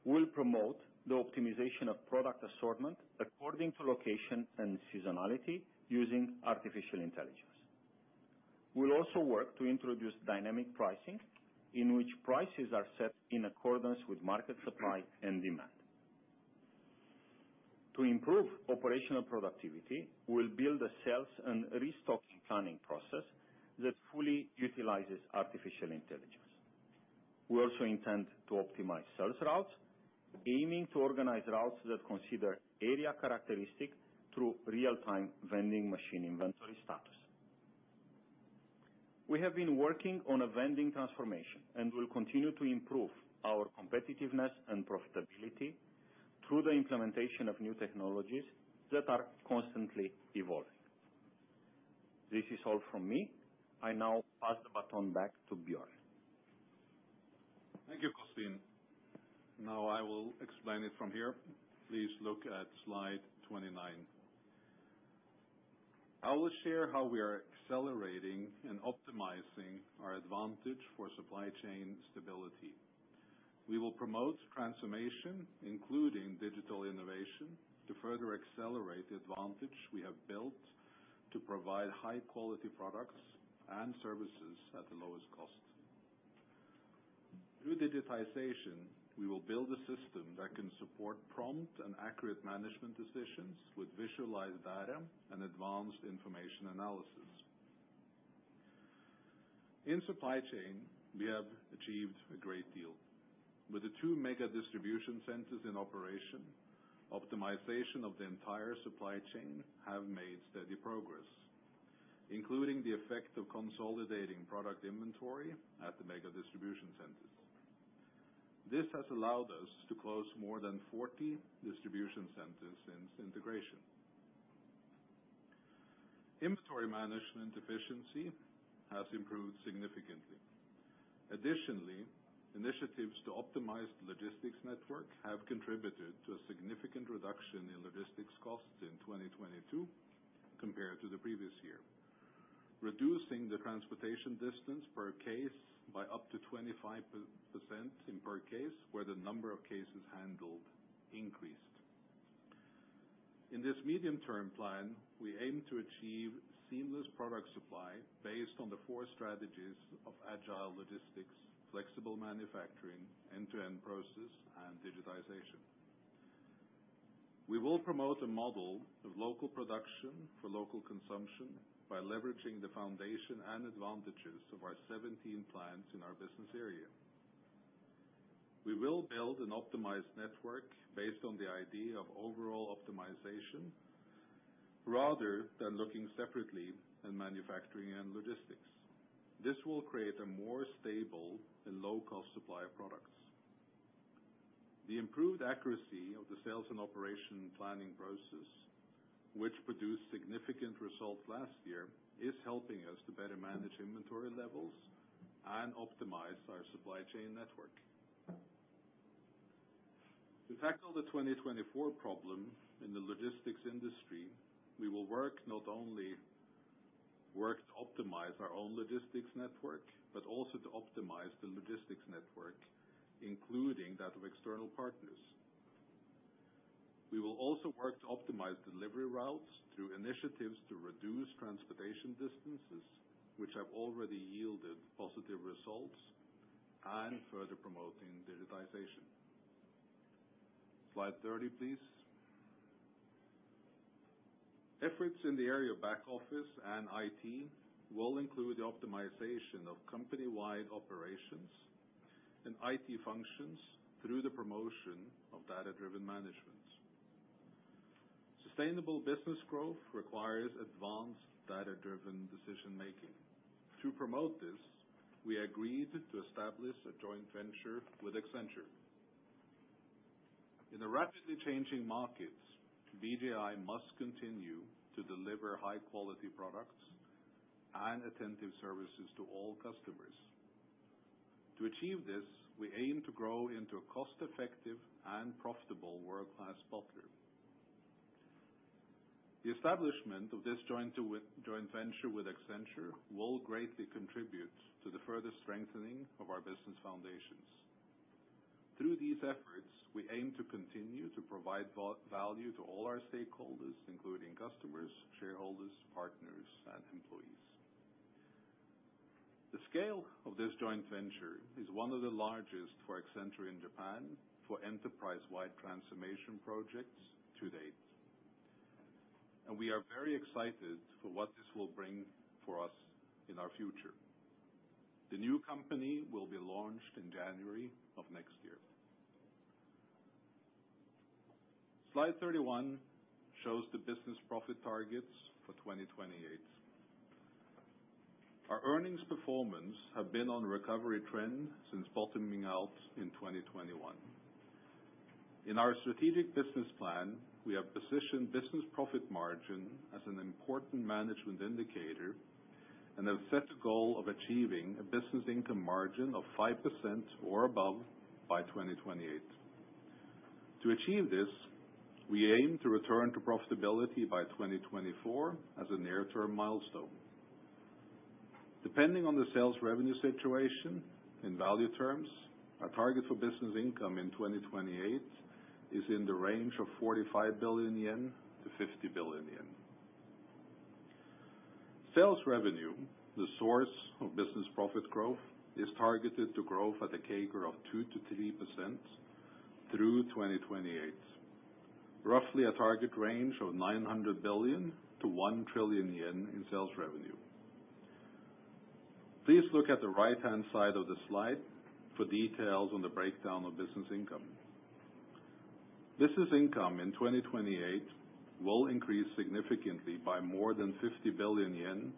we'll promote the optimization of product assortment according to location and seasonality, using artificial intelligence. We'll also work to introduce dynamic pricing, in which prices are set in accordance with market supply and demand. To improve operational productivity, we'll build a sales and restocking planning process that fully utilizes artificial intelligence. We also intend to optimize sales routes, aiming to organize routes that consider area characteristics through real-time vending machine inventory status. We have been working on a vending transformation and will continue to improve our competitiveness and profitability through the implementation of new technologies that are constantly evolving. This is all from me. I now pass the baton back to Björn. Thank you, Costin. Now I will explain it from here. Please look at slide 29. I will share how we are accelerating and optimizing our advantage for supply chain stability. We will promote transformation, including digital innovation, to further accelerate the advantage we have built to provide high-quality products and services at the lowest cost. Through digitization, we will build a system that can support prompt and accurate management decisions with visualized data and advanced information analysis. In supply chain, we have achieved a great deal. With the two Mega Distribution Centers in operation, optimization of the entire supply chain have made steady progress, including the effect of consolidating product inventory at the Mega Distribution Centers. This has allowed us to close more than 40 distribution centers since integration. Inventory management efficiency has improved significantly. Additionally, initiatives to optimize the logistics network have contributed to a significant reduction in logistics costs in 2022 compared to the previous year, reducing the transportation distance per case by up to 25% in per case, where the number of cases handled increased. In this medium-term plan, we aim to achieve seamless product supply based on the 4 strategies of agile logistics, flexible manufacturing, end-to-end process, and digitization. We will promote a model of local production for local consumption by leveraging the foundation and advantages of our 17 plants in our business area. We will build an optimized network based on the idea of overall optimization, rather than looking separately in manufacturing and logistics. This will create a more stable and low-cost supply of products. The improved accuracy of the sales and operation planning process, which produced significant results last year, is helping us to better manage inventory levels and optimize our supply chain network. To tackle the 2024 problem in the logistics industry, we will work not only, work to optimize our own logistics network, but also to optimize the logistics network, including that of external partners. We will also work to optimize delivery routes through initiatives to reduce transportation distances, which have already yielded positive results, and further promoting digitization. Slide 30, please. Efforts in the area of back office and IT will include optimization of company-wide operations and IT functions through the promotion of data-driven management. Sustainable business growth requires advanced data-driven decision making. To promote this, we agreed to establish a joint venture with Accenture. In a rapidly changing markets, Coca-Cola Bottlers Japan must continue to deliver high-quality products and attentive services to all customers. To achieve this, we aim to grow into a cost-effective and profitable world-class partner. The establishment of this joint venture with Accenture will greatly contribute to the further strengthening of our business foundations. Through these efforts, we aim to continue to provide value to all our stakeholders, including customers, shareholders, partners, and employees. The scale of this joint venture is one of the largest for Accenture in Japan for enterprise-wide transformation projects to date, and we are very excited for what this will bring for us in our future. The new company will be launched in January of next year. Slide 31 shows the business profit targets for 2028. Our earnings performance have been on a recovery trend since bottoming out in 2021. In our Strategic Business Plan, we have positioned business profit margin as an important management indicator and have set a goal of achieving a business income margin of 5% or above by 2028. To achieve this, we aim to return to profitability by 2024 as a near-term milestone. Depending on the sales revenue situation in value terms, our target for business income in 2028 is in the range of 45 billion-50 billion yen. Sales revenue, the source of business profit growth, is targeted to grow at a CAGR of 2%-3% through 2028, roughly a target range of 900 billion-1 trillion yen in sales revenue. Please look at the right-hand side of the slide for details on the breakdown of business income. Business income in 2028 will increase significantly by more than 50 billion yen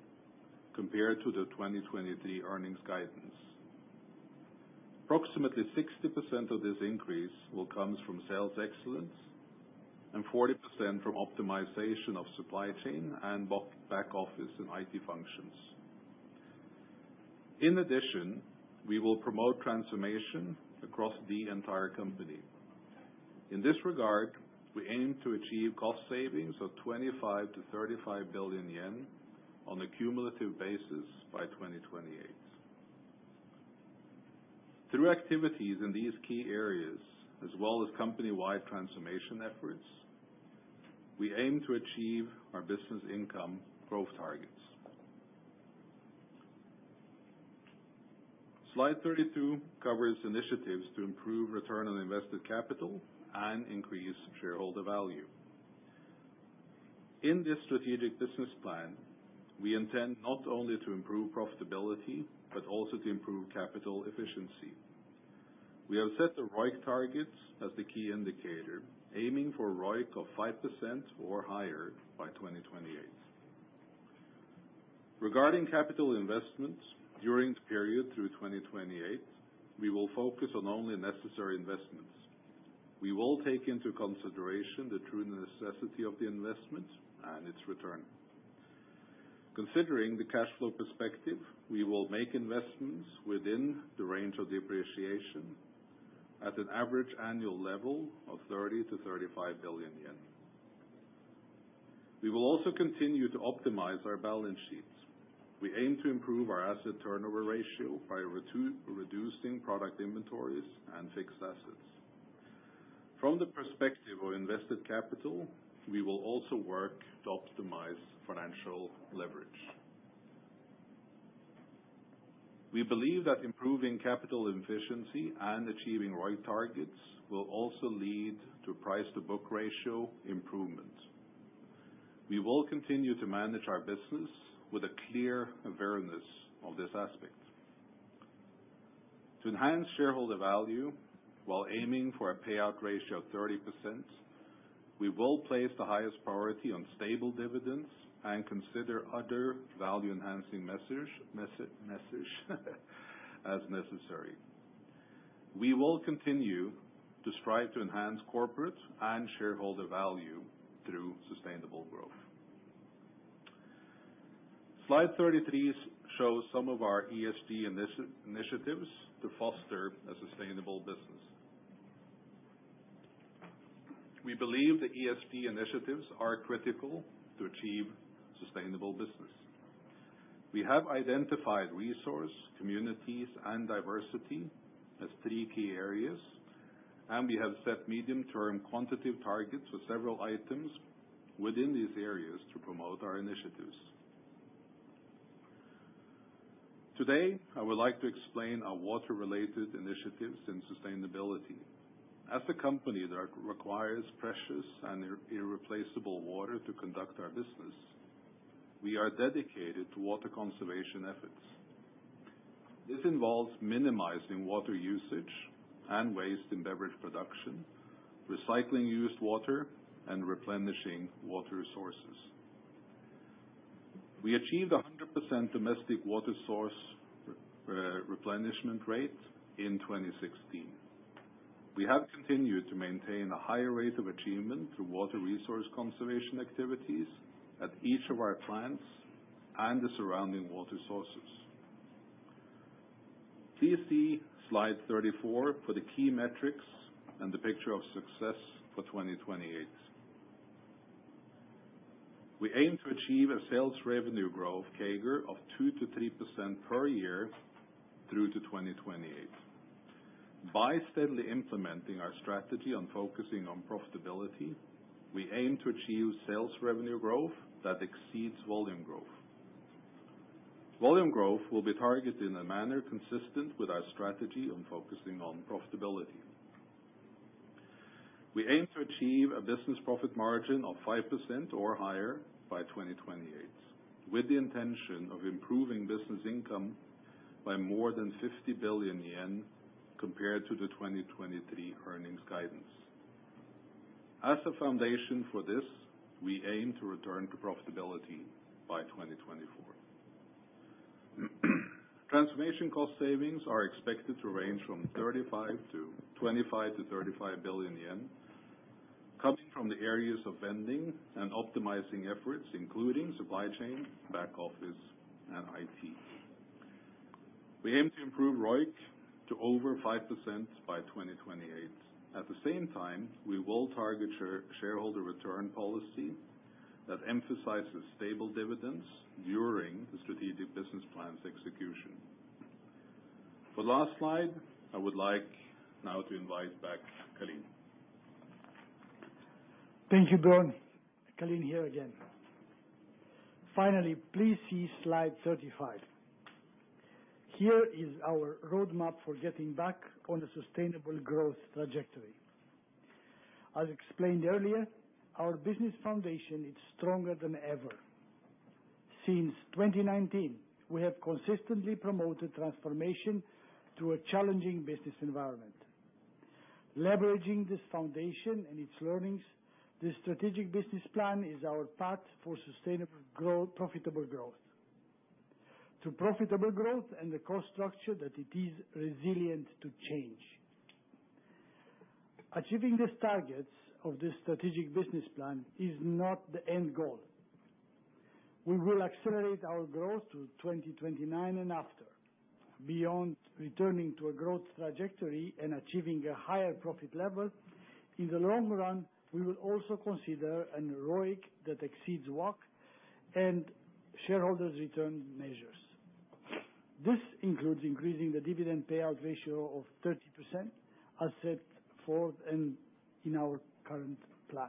compared to the 2023 earnings guidance. Approximately 60% of this increase will comes from sales excellence and 40% from optimization of supply chain and back office and IT functions. We will promote transformation across the entire company. In this regard, we aim to achieve cost savings of 25 billion-35 billion yen on a cumulative basis by 2028. Through activities in these key areas, as well as company-wide transformation efforts, we aim to achieve our business income growth targets. Slide 32 covers initiatives to improve return on invested capital and increase shareholder value. In this Strategic Business Plan, we intend not only to improve profitability, but also to improve capital efficiency. We have set the ROIC targets as the key indicator, aiming for ROIC of 5% or higher by 2028. Regarding capital investments, during the period through 2028, we will focus on only necessary investments. We will take into consideration the true necessity of the investment and its return. Considering the cash flow perspective, we will make investments within the range of depreciation at an average annual level of 30 billion-35 billion yen. We will also continue to optimize our balance sheets. We aim to improve our asset turnover ratio by reducing product inventories and fixed assets. From the perspective of invested capital, we will also work to optimize financial leverage. We believe that improving capital efficiency and achieving ROIC targets will also lead to price-to-book-ratio improvement. We will continue to manage our business with a clear awareness of this aspect. To enhance shareholder value, while aiming for a payout ratio of 30%, we will place the highest priority on stable dividends and consider other value-enhancing message, as necessary. We will continue to strive to enhance corporate and shareholder value through sustainable growth. Slide 33 shows some of our ESG initiatives to foster a sustainable business. We believe the ESG initiatives are critical to achieve sustainable business. We have identified resource, communities, and diversity as three key areas, and we have set medium-term quantitative targets for several items within these areas to promote our initiatives. Today, I would like to explain our water-related initiatives and sustainability. As a company that requires precious and irreplaceable water to conduct our business, we are dedicated to water conservation efforts. This involves minimizing water usage and waste in beverage production, recycling used water, and replenishing water sources. We achieved 100% domestic water source replenishment rate in 2016. We have continued to maintain a high rate of achievement through water resource conservation activities at each of our plants and the surrounding water sources. Please see slide 34 for the key metrics and the picture of success for 2028. We aim to achieve a sales revenue growth CAGR of 2%-3% per year through to 2028. By steadily implementing our strategy on focusing on profitability, we aim to achieve sales revenue growth that exceeds volume growth. Volume growth will be targeted in a manner consistent with our strategy on focusing on profitability. We aim to achieve a business profit margin of 5% or higher by 2028, with the intention of improving business income by more than 50 billion yen compared to the 2023 earnings guidance. As a foundation for this, we aim to return to profitability by 2024. Transformation cost savings are expected to range from 25 billion-35 billion yen, coming from the areas of vending and optimizing efforts, including supply chain, back office, and IT. We aim to improve ROIC to over 5% by 2028. At the same time, we will target shareholder return policy that emphasizes stable dividends during the Strategic Business Plan's execution. For last slide, I would like now to invite back Calin. Thank you, Björn. Calin here again. Finally, please see slide 35. Here is our roadmap for getting back on the sustainable growth trajectory. As explained earlier, our business foundation is stronger than ever. Since 2019, we have consistently promoted transformation through a challenging business environment. Leveraging this foundation and its learnings, this Strategic Business Plan is our path for sustainable profitable growth. To profitable growth and the cost structure that it is resilient to change. Achieving these targets of this Strategic Business Plan is not the end goal. We will accelerate our growth to 2029 and after. Beyond returning to a growth trajectory and achieving a higher profit level, in the long run, we will also consider an ROIC that exceeds WACC and shareholders return measures. This includes increasing the dividend payout ratio of 30%, as set forth in our current plan.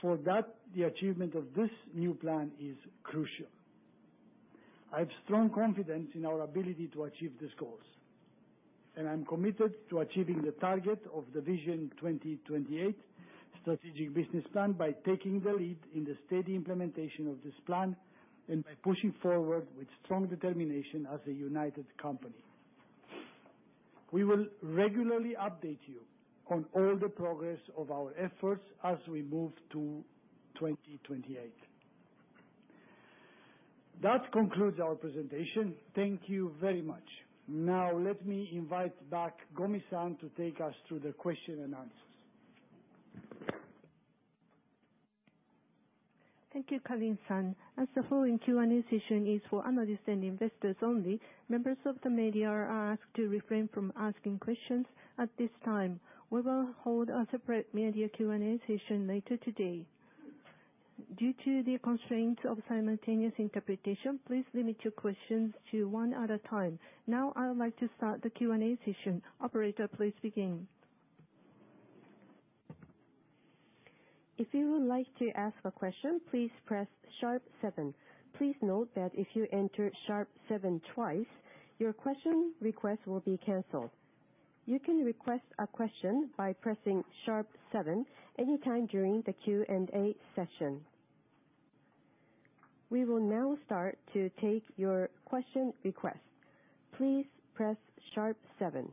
For that, the achievement of this new plan is crucial. I have strong confidence in our ability to achieve these goals, I'm committed to achieving the target of the Vision 2028 Strategic Business Plan by taking the lead in the steady implementation of this plan, by pushing forward with strong determination as a united company. We will regularly update you on all the progress of our efforts as we move to 2028. That concludes our presentation. Thank you very much. Now, let me invite back Gomi-san to take us through the question and answers. Thank you, Calin-san. As the following Q&A session is for analysts and investors only, members of the media are asked to refrain from asking questions at this time. We will hold a separate media Q&A session later today. Due to the constraints of simultaneous interpretation, please limit your questions to one at a time. Now, I would like to start the Q&A session. Operator, please begin. If you would like to ask a question, please press sharp seven. Please note that if you enter sharp seven twice, your question request will be canceled. You can request a question by pressing sharp seven any time during the Q&A session. We will now start to take your question request. Please press sharp seven.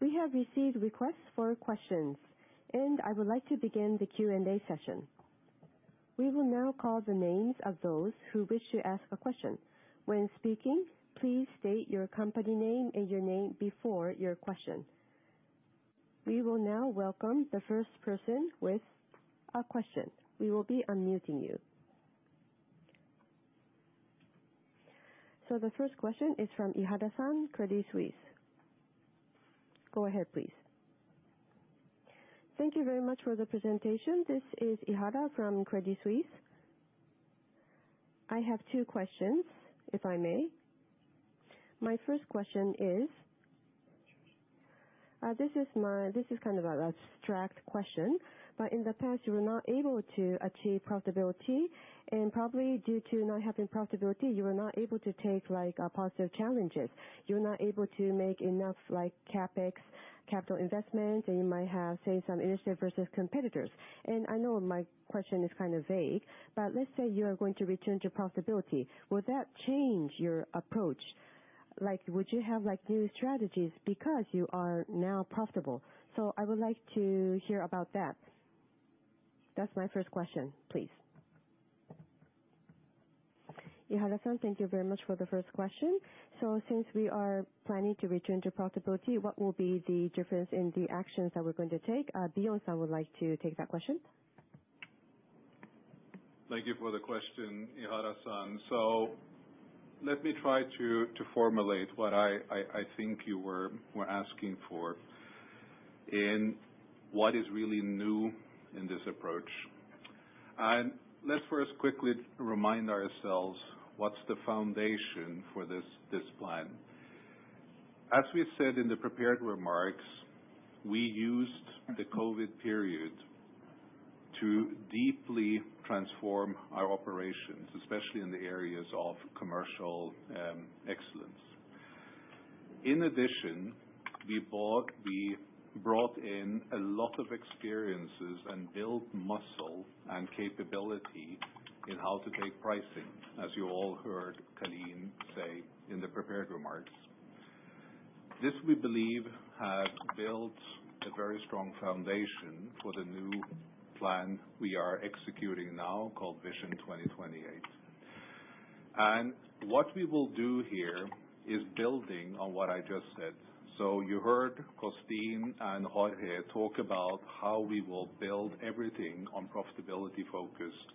We have received requests for questions, and I would like to begin the Q&A session. We will now call the names of those who wish to ask a question. When speaking, please state your company name and your name before your question. We will now welcome the first person with a question. We will be unmuting you. The first question is from Ihara-san, Credit Suisse. Go ahead, please. Thank you very much for the presentation. This is Ihara from Credit Suisse. I have two questions, if I may. My first question is, this is kind of an abstract question, but in the past you were not able to achieve profitability. Probably due to not having profitability, you were not able to take, like, positive challenges. You were not able to make enough, like, CapEx capital investments, and you might have, say, some initiative versus competitors. I know my question is kind of vague, but let's say you are going to return to profitability. Would that change your approach? Like, would you have, like, new strategies because you are now profitable? I would like to hear about that. That's my first question, please. Ihara-san, thank you very much for the first question. Since we are planning to return to profitability, what will be the difference in the actions that we're going to take? Bjorn-san would like to take that question. Thank you for the question, Ihara-san. Let me try to, to formulate what I think you were, were asking for, in what is really new in this approach. Let's first quickly remind ourselves, what's the foundation for this, this plan? As we said in the prepared remarks, we used the COVID period to deeply transform our operations, especially in the areas of commercial. In addition, we bought, we brought in a lot of experiences and built muscle and capability in how to take pricing, as you all heard Calin say in the prepared remarks. This, we believe, has built a very strong foundation for the new plan we are executing now, called Vision 2028. What we will do here is building on what I just said. You heard Costin and Jorge talk about how we will build everything on profitability-focused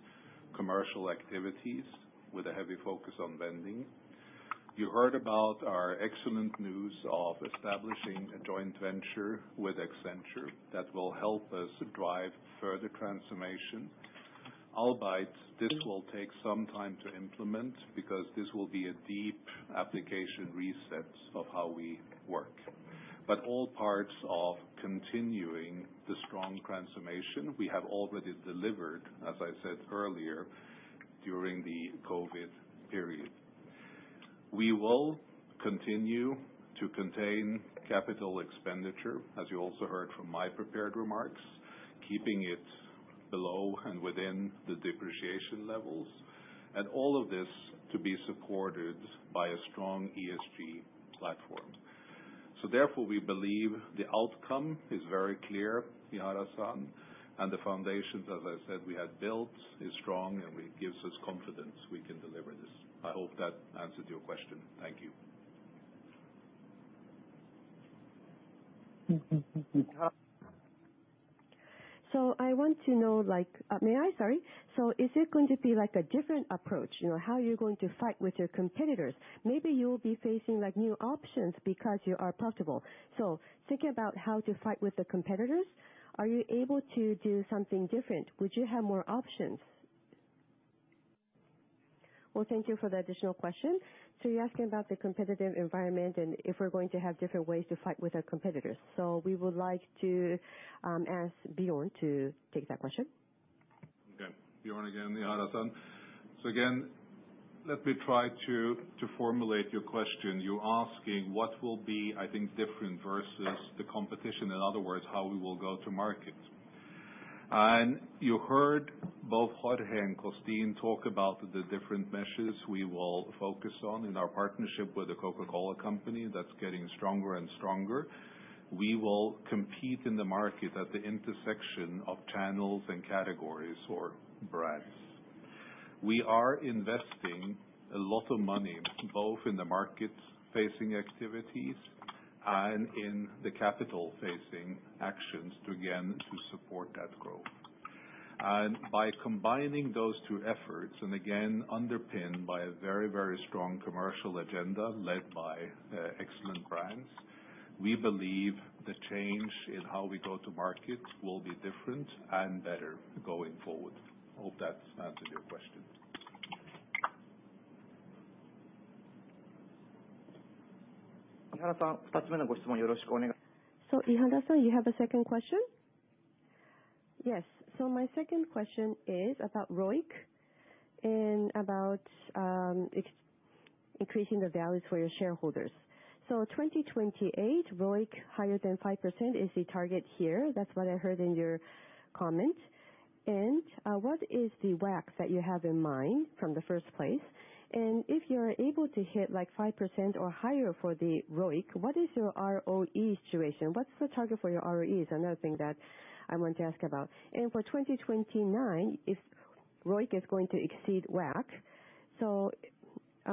commercial activities, with a heavy focus on vending. You heard about our excellent news of establishing a joint venture with Accenture that will help us drive further transformation. Albeit, this will take some time to implement, because this will be a deep application resets of how we work. All parts of continuing the strong transformation we have already delivered, as I said earlier, during the COVID period. We will continue to contain capital expenditure, as you also heard from my prepared remarks, keeping it below and within the depreciation levels, and all of this to be supported by a strong ESG platform. Therefore, we believe the outcome is very clear, Ihara-san, and the foundations, as I said, we have built, is strong, and gives us confidence we can deliver this. I hope that answered your question. Thank you. I want to know, like, May I? Sorry. Is it going to be, like, a different approach? You know, how you're going to fight with your competitors. Maybe you'll be facing, like, new options because you are profitable. Thinking about how to fight with the competitors, are you able to do something different? Would you have more options? Well, thank you for the additional question. You're asking about the competitive environment and if we're going to have different ways to fight with our competitors. We would like to, ask Bjorn to take that question. Okay. Björn, again, Ihara-san. Again, let me try to formulate your question. You're asking what will be, I think, different versus the competition. In other words, how we will go to market. You heard both Jorge and Costin talk about the different measures we will focus on in our partnership with The Coca-Cola Company. That's getting stronger and stronger. We will compete in the market at the intersection of channels and categories or brands. We are investing a lot of money, both in the market-facing activities and in the capital-facing actions to again support that growth. By combining those two efforts, and again, underpinned by a very, very strong commercial agenda led by excellent brands, we believe the change in how we go to market will be different and better going forward. Hope that's answered your question? Ihara-san, you have a second question? Yes. My second question is about ROIC and about ex- increasing the value for your shareholders. 2028, ROIC higher than 5% is the target here. That's what I heard in your comment. What is the WACC that you have in mind from the first place? If you're able to hit, like, 5% or higher for the ROIC, what is your ROE situation? What's the target for your ROEs? Another thing that I want to ask about. For 2029, if ROIC is going to exceed WACC,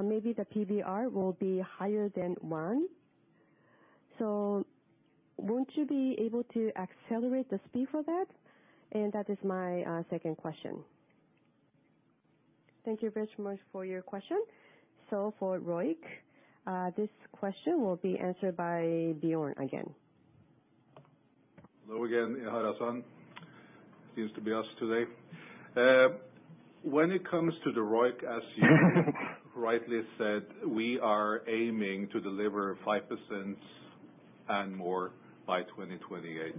maybe the PBR will be higher than one. Won't you be able to accelerate the speed for that? That is my second question. Thank you very much for your question. For ROIC, this question will be answered by Björn again. Hello again, Ihara-san. Seems to be us today. When it comes to the ROIC, as you rightly said, we are aiming to deliver 5% and more by 2028.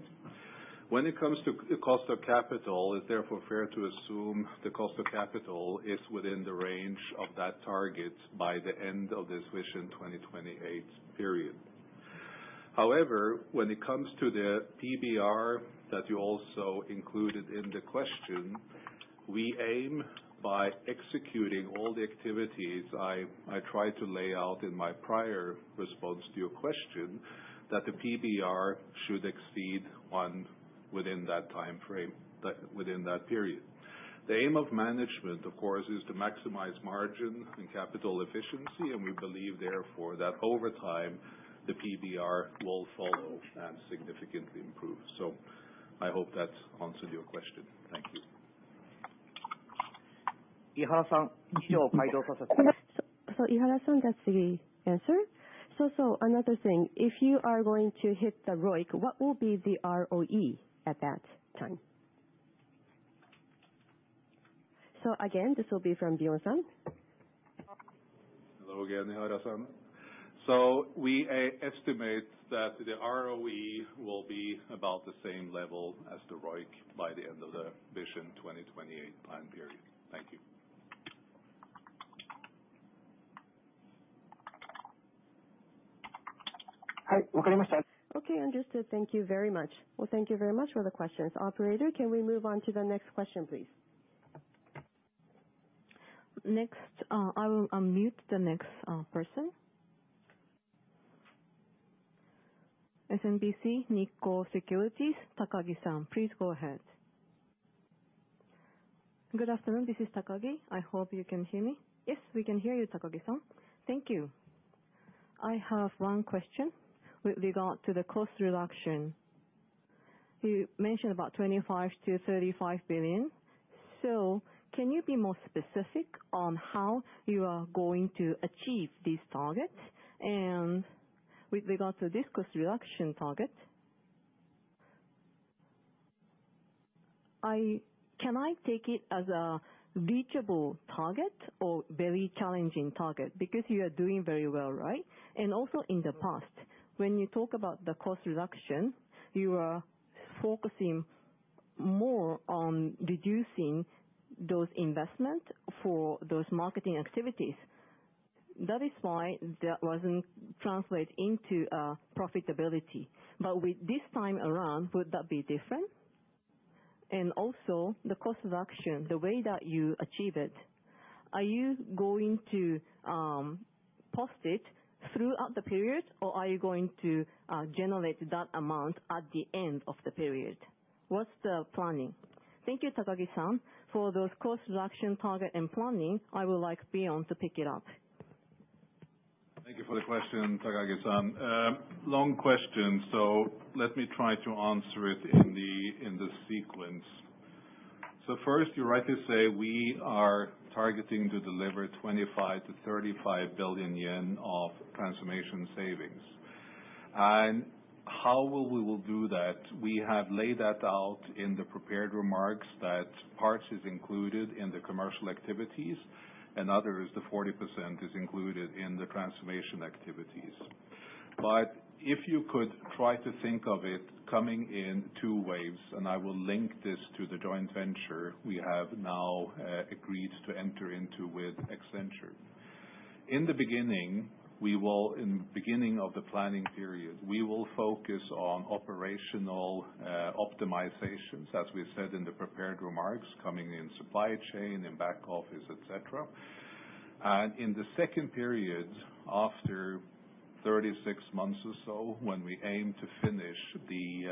When it comes to the cost of capital, it's therefore fair to assume the cost of capital is within the range of that target by the end of this Vision 2028 period. However, when it comes to the PBR that you also included in the question, we aim, by executing all the activities I, I tried to lay out in my prior response to your question, that the PBR should exceed one within that timeframe, within that period. The aim of management, of course, is to maximize margin and capital efficiency, and we believe, therefore, that over time, the PBR will follow and significantly improve. I hope that's answered your question. Thank you. Ihara-san, that's the answer. Another thing, if you are going to hit the ROIC, what will be the ROE at that time? Again, this will be from Björn-san. Hello again, Ihara-san. We estimate that the ROE will be about the same level as the ROIC by the end of the Vision 2028 plan period. Thank you. Okay, understood. Thank you very much. Thank you very much for the questions. Operator, can we move on to the next question, please? Next, I will mute the next person. SMBC Nikko Securities, Takagi-san, please go ahead. Good afternoon, this is Takagi. I hope you can hear me. Yes, we can hear you, Takagi-san. Thank you. I have one question with regard to the cost reduction. You mentioned about 25 billion-35 billion. Can you be more specific on how you are going to achieve this target? With regard to this cost reduction target, can I take it as a reachable target or very challenging target? Because you are doing very well, right? Also in the past, when you talk about the cost reduction, you are focusing more on reducing those investment for those marketing activities. That is why that wasn't translate into profitability. With this time around, would that be different? Also, the cost reduction, the way that you achieve it, are you going to post it throughout the period, or are you going to generate that amount at the end of the period? What's the planning? Thank you, Takagi-san. For those cost reduction target and planning, I would like Björn to pick it up. Thank you for the question, Takagi-san. Long question, let me try to answer it in the, in the sequence. First, you're right to say we are targeting to deliver 25 billion-35 billion yen of transformation savings. How will we do that? We have laid that out in the prepared remarks that parts is included in the commercial activities, and others, the 40%, is included in the transformation activities. If you could try to think of it coming in two waves, and I will link this to the joint venture we have now agreed to enter into with Accenture. In the beginning, we will, in the beginning of the planning period, we will focus on operational optimizations, as we said in the prepared remarks, coming in supply chain and back office, et cetera. In the second period, after 36 months or so, when we aim to finish the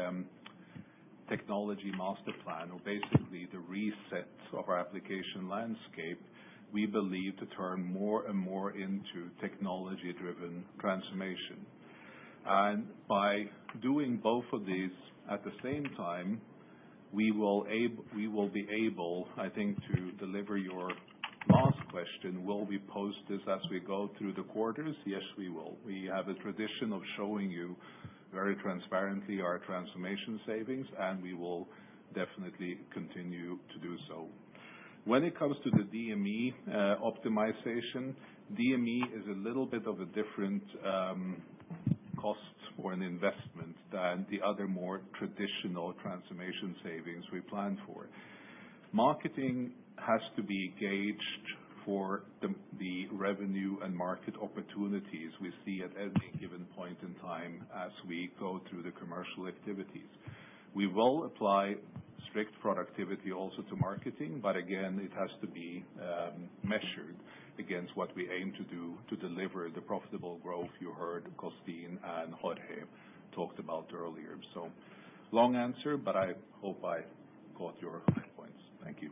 technology master plan, or basically the reset of our application landscape, we believe to turn more and more into technology-driven transformation. By doing both of these at the same time, we will be able, I think, to deliver your last question, will we post this as we go through the quarters? Yes, we will. We have a tradition of showing you very transparently our transformation savings, and we will definitely continue to do so. When it comes to the DME optimization, DME is a little bit of a different cost for an investment than the other more traditional transformation savings we plan for. Marketing has to be gauged for the, the revenue and market opportunities we see at any given point in time as we go through the commercial activities. We will apply strict productivity also to marketing, but again, it has to be measured against what we aim to do to deliver the profitable growth you heard Costin and Jorge talked about earlier. Long answer, but I hope I caught your points. Thank you.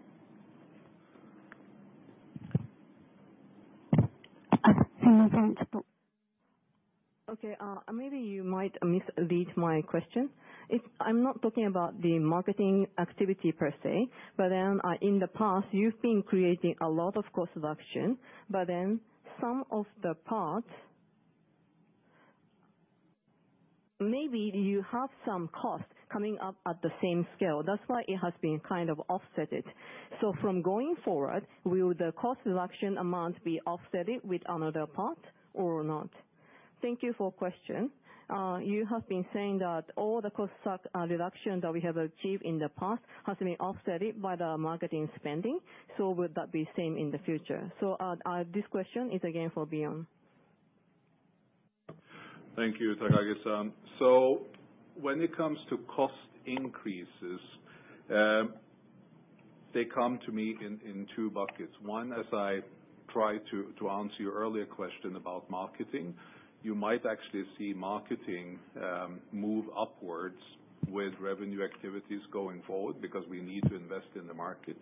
Thank you very much. Okay, maybe you might misread my question. It's, I'm not talking about the marketing activity per se, but then, in the past, you've been creating a lot of cost reduction, but then some of the parts, maybe you have some costs coming up at the same scale. That's why it has been kind of offset. From going forward, will the cost reduction amount be offset with another part or not? Thank you for question. You have been saying that all the cost reduction that we have achieved in the past has been offset by the marketing spending. Would that be same in the future? This question is again for Björn. Thank you, Takagi-san. When it comes to cost increases, they come to me in, in two buckets. One, as I tried to, to answer your earlier question about marketing, you might actually see marketing move upwards with revenue activities going forward because we need to invest in the market.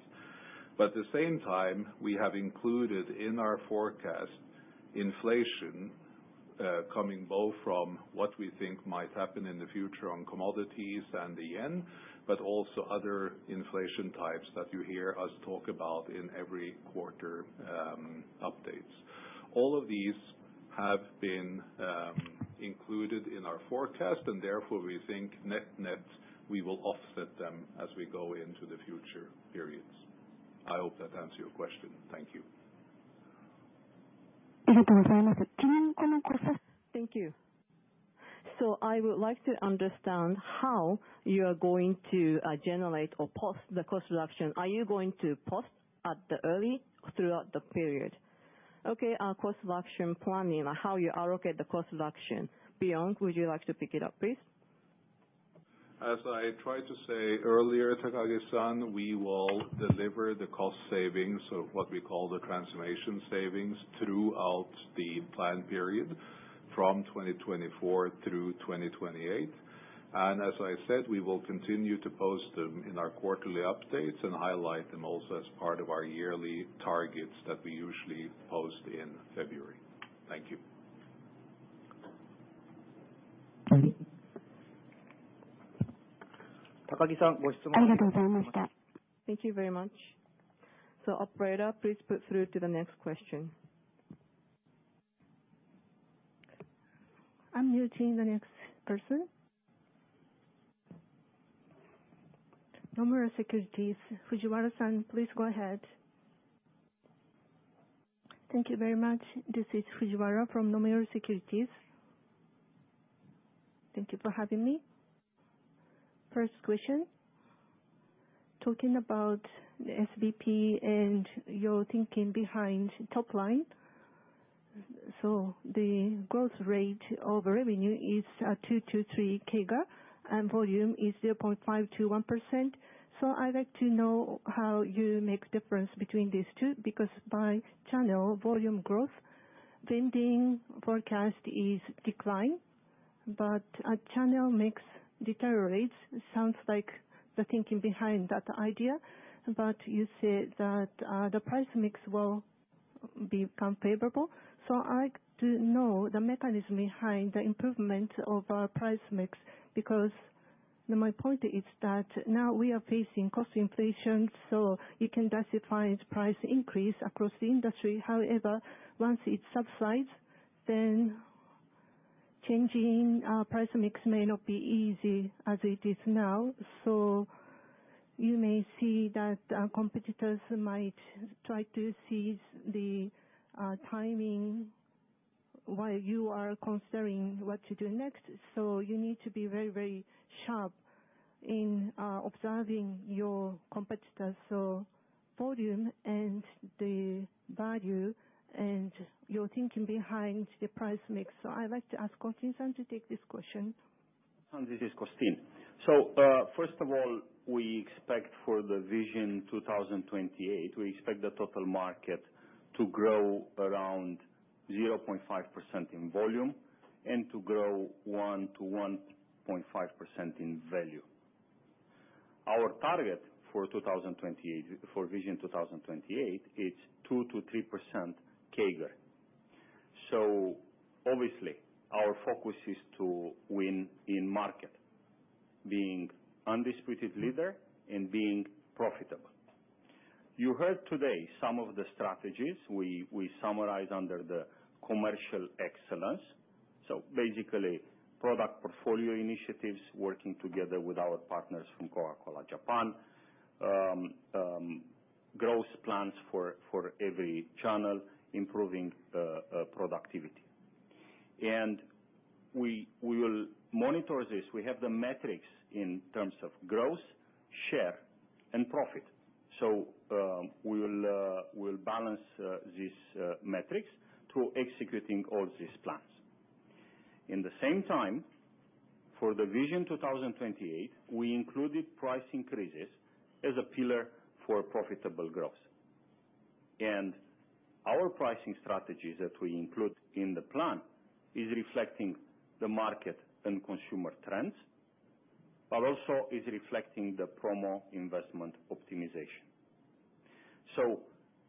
At the same time, we have included in our forecast, inflation, coming both from what we think might happen in the future on commodities and the JPY, but also other inflation types that you hear us talk about in every quarter updates. All of these have been included in our forecast, and therefore, we think net-net, we will offset them as we go into the future periods. I hope that answers your question. Thank you. Thank you. I would like to understand how you are going to generate or post the cost reduction. Are you going to post at the early or throughout the period? Okay, our cost reduction planning, how you allocate the cost reduction. Björn, would you like to pick it up, please? As I tried to say earlier, Takagi-san, we will deliver the cost savings, or what we call the transformation savings, throughout the plan period from 2024 through 2028. As I said, we will continue to post them in our quarterly updates and highlight them also as part of our yearly targets that we usually post in February. Thank you. Thank you very much. Operator, please put through to the next question. Unmuting the next person. Nomura Securities, Fujiwara-san, please go ahead. Thank you very much. This is Fujiwara from Nomura Securities. Thank you for having me. First question, talking about the SBP and your thinking behind top line. The growth rate of revenue is 2%-3% CAGR, and volume is 0.5%-1%. I'd like to know how you make difference between these two, because by channel, volume growth, vending forecast is decline, but channel mix deteriorates. Sounds like the thinking behind that idea, but you said that the price mix will become favorable. I'd like to know the mechanism behind the improvement of price mix, because my point is that now we are facing cost inflation, so you can justify price increase across the industry. However, once it subsides, then changing price mix may not be easy as it is now. You may see that competitors might try to seize the timing while you are considering what to do next. You need to be very, very sharp in observing your competitors. Volume and the value and your thinking behind the price mix. I'd like to ask Costin-san to take this question. This is Costin. First of all, we expect for the Vision 2028, we expect the total market to grow around 0.5% in volume and to grow 1%-1.5% in value. Our target for 2028, for Vision 2028, is 2%-3% CAGR. Obviously, our focus is to win in market, being undisputed leader and being profitable. You heard today some of the strategies we, we summarize under the commercial excellence. Basically, product portfolio initiatives, working together with our partners from Coca-Cola Japan, growth plans for every channel, improving productivity. We, we will monitor this. We have the metrics in terms of growth, share, and profit. We will, we'll balance these metrics to executing all these plans. In the same time, for the Vision 2028, we included price increases as a pillar for profitable growth. Our pricing strategies that we include in the plan is reflecting the market and consumer trends, but also is reflecting the promo investment optimization.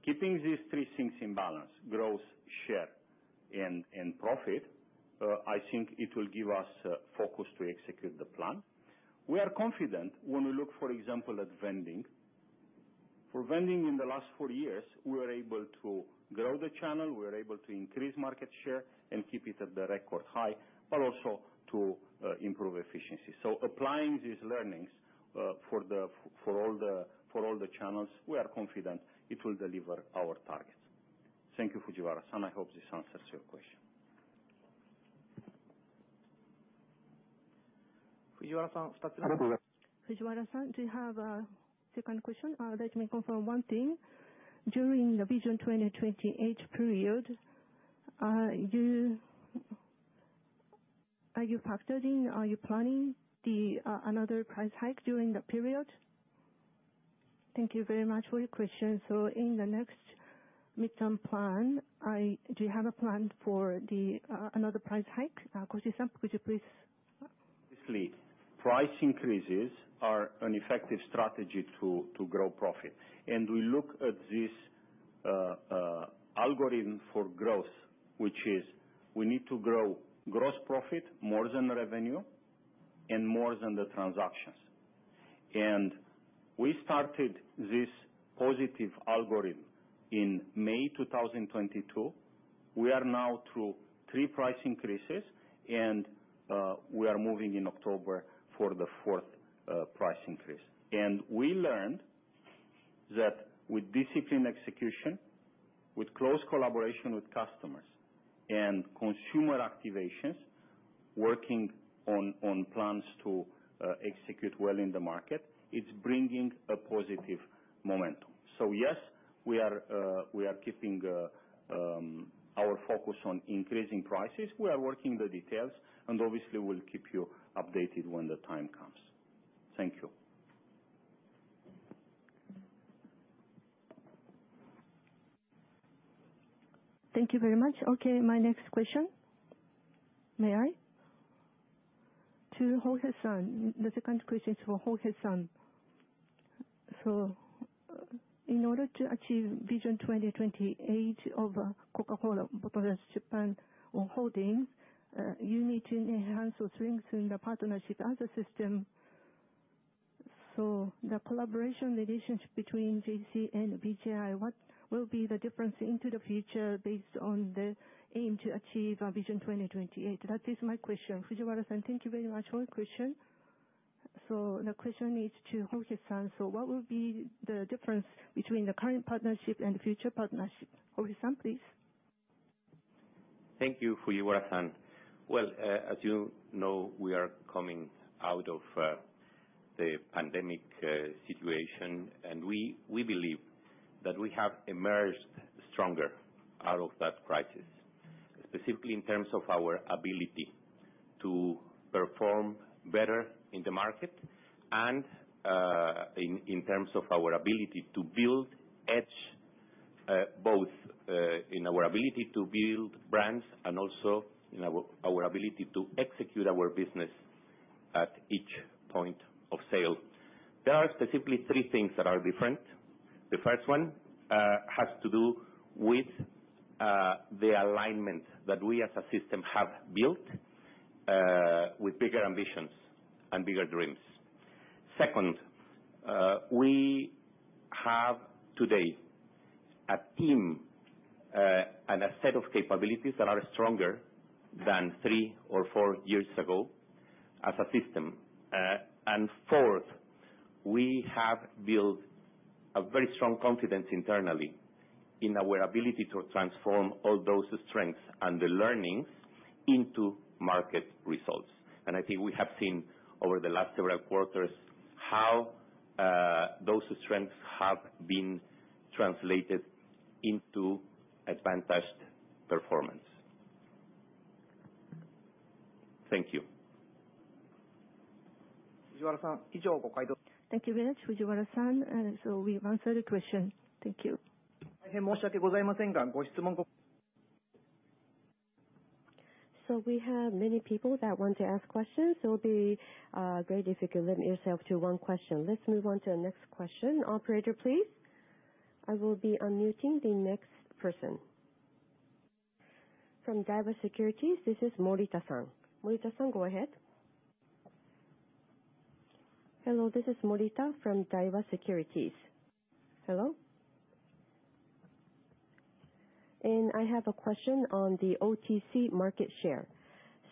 Keeping these three things in balance, growth, share, and profit, I think it will give us focus to execute the plan. We are confident when we look, for example, at vending. For vending in the last 4 years, we were able to grow the channel, we were able to increase market share and keep it at the record high, but also to improve efficiency. Applying these learnings for all the channels, we are confident it will deliver our targets. Thank you, Fujiwara-san. I hope this answers your question. Fujiwara-san, do you have a second question? Let me confirm one thing. During the Vision 2028 period, Are you factoring, are you planning the, another price hike during the period? Thank you very much for your question. In the next midterm plan, do you have a plan for the, another price hike? Costin-san, could you please? Obviously, price increases are an effective strategy to, to grow profit. We look at this algorithm for growth, which is we need to grow gross profit more than revenue and more than the transactions. We started this positive algorithm in May 2022. We are now through three price increases, and we are moving in October for the 4th price increase. We learned that with disciplined execution, with close collaboration with customers and consumer activations, working on, on plans to execute well in the market, it's bringing a positive momentum. Yes, we are keeping our focus on increasing prices. We are working the details, and obviously, we'll keep you updated when the time comes. Thank you. Thank you very much. Okay, my next question, may I? To Jorge San, the second question is for Jorge San. In order to achieve Vision 2028 over Coca-Cola Bottlers Japan Holding, you need to enhance or strengthen the partnership as a system. The collaboration relationship between CCJC and BJI, what will be the difference into the future based on the aim to achieve Vision 2028? That is my question. Fujiwara-san, thank you very much for your question. The question is to Jorge San. What will be the difference between the current partnership and future partnership? Jorge San, please. Thank you, Fujiwara-san. Well, as you know, we are coming out of the pandemic situation, and we, we believe that we have emerged stronger out of that crisis. Specifically, in terms of our ability to perform better in the market and in terms of our ability to build edge, both in our ability to build brands and also in our ability to execute our business at each point of sale. There are specifically three things that are different. The first one has to do with the alignment that we as a system have built with bigger ambitions and bigger dreams. Second, we have today a team and a set of capabilities that are stronger than three or four years ago as a system. Fourth, we have built a very strong confidence internally in our ability to transform all those strengths and the learnings into market results. I think we have seen over the last several quarters, how those strengths have been translated into advantaged performance. Thank you. Thank you very much, Fujiwara-san. We've answered the question. Thank you. We have many people that want to ask questions, so it would be great if you could limit yourself to one question. Let's move on to the next question. Operator, please. I will be unmuting the next person. From Daiwa Securities, this is Morita-san. Morita-san, go ahead. Hello, this is Morita from Daiwa Securities. Hello? I have a question on the OTC market share.